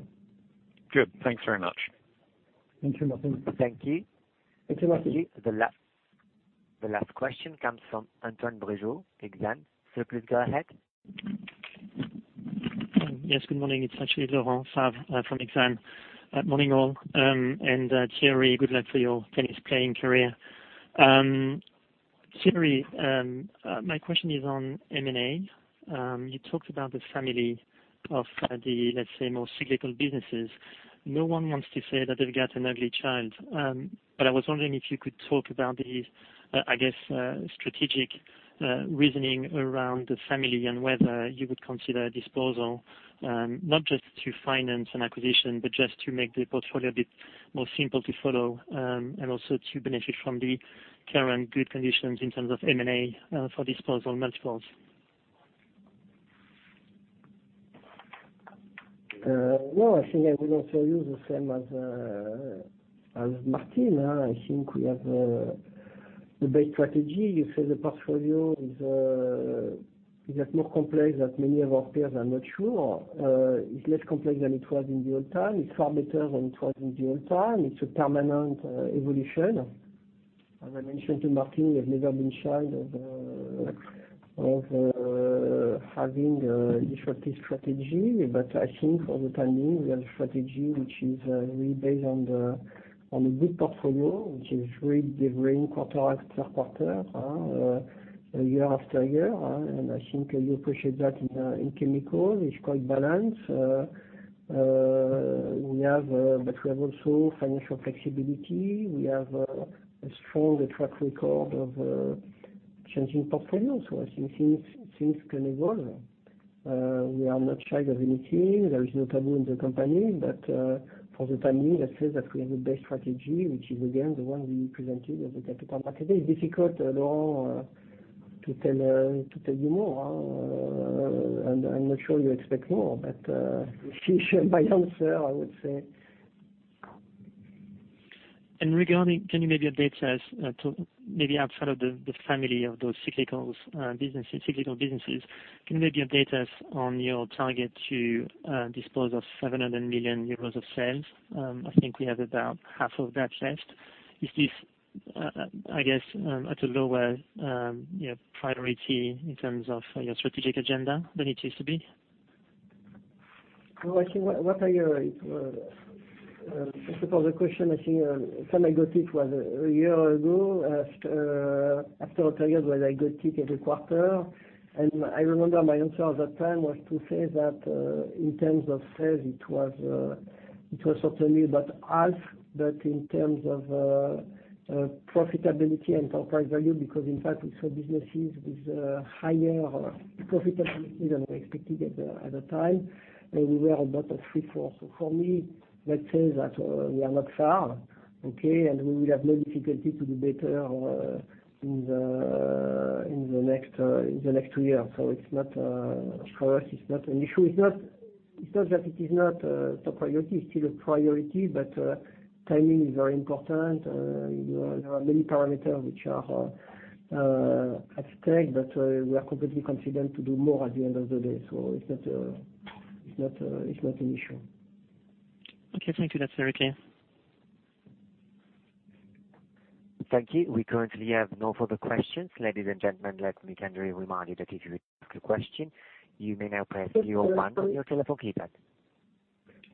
Good. Thanks very much. Thank you, Martin. Thank you. Thank you, Martin. The last question comes from Antoine Bregeau, Exane. Sir, please go ahead. Yes, good morning. It's actually Laurent Favre from Exane. Morning, all, and Thierry, good luck for your tennis playing career. Thierry, my question is on M&A. You talked about the family of the, let's say, more cyclical businesses. No one wants to say that they've got an ugly child. I was wondering if you could talk about the, I guess, strategic reasoning around the family and whether you would consider a disposal, not just to finance an acquisition, but just to make the portfolio a bit more simple to follow, and also to benefit from the current good conditions in terms of M&A for disposal multiples. No, I think I will also use the same as Martin. I think we have the base strategy. You say the portfolio is not more complex than many of our peers. I'm not sure. It's less complex than it was in the old time. It's far better than it was in the old time. It's a permanent evolution. As I mentioned to Martin, we have never been shy of having a disruptive strategy. I think for the time being, we have a strategy which is really based on a good portfolio, which is really delivering quarter after quarter, year after year. I think you appreciate that in chemicals, it's quite balanced. We have also financial flexibility. We have a strong track record of changing portfolio. I think things can evolve. We are not shy of anything. There is no taboo in the company. For the time being, let's say that we have the best strategy, which is again, the one we presented at the Capital Markets Day. It's difficult, Laurent, to tell you more. I'm not sure you expect more, but sufficient by answer, I would say. Regarding, can you maybe update us to maybe outside of the family of those cyclical businesses, can you maybe update us on your target to dispose of 700 million euros of sales? I think we have about half of that left. Is this, I guess, at a lower priority in terms of your strategic agenda than it used to be? I think what I suppose the question, I think, when I got it was a year ago, after a period where I got it every quarter. I remember my answer at that time was to say that, in terms of sales, it was certainly about half, but in terms of profitability and enterprise value, because in fact we saw businesses with higher profitability than we expected at the time, and we were about at three-quarters. For me, let's say that we are not far, okay? We will have no difficulty to do better in the next two years. For us, it's not an issue. It's not that it is not a priority, it's still a priority, but timing is very important. There are many parameters which are at stake, but we are completely confident to do more at the end of the day. It's not an issue. Okay. Thank you. That's very clear. Thank you. We currently have no further questions. Ladies and gentlemen, let me kindly remind you that if you would like to ask a question, you may now press zero one on your telephone keypad.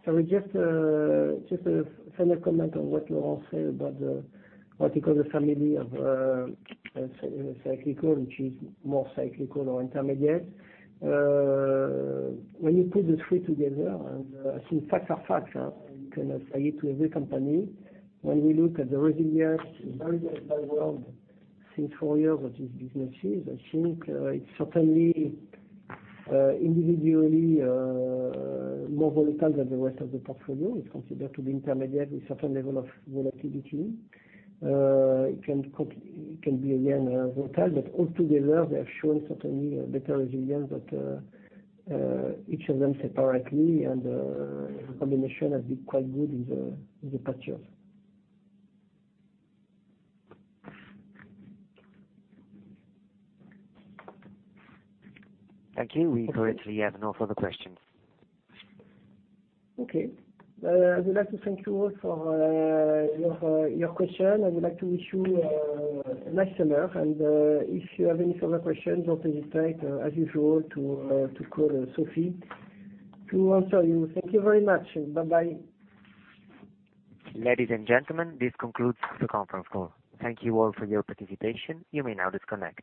Sorry, just a final comment on what Laurent said about what you call the family of cyclical, which is more cyclical or intermediate. When you put the three together, and I think facts are facts, and you can apply it to every company. When we look at the resilience in very bad world since four years with these businesses, I think it's certainly individually more volatile than the rest of the portfolio. It's considered to be intermediate with certain level of volatility. It can be again, volatile, but all together, they have shown certainly a better resilience but each of them separately and the combination has been quite good in the past years. Thank you. We currently have no further questions. Okay. I would like to thank you all for your question. I would like to wish you a nice summer and if you have any further questions, don't hesitate, as usual, to call Sophie to answer you. Thank you very much. Bye-bye. Ladies and gentlemen, this concludes the conference call. Thank you all for your participation. You may now disconnect.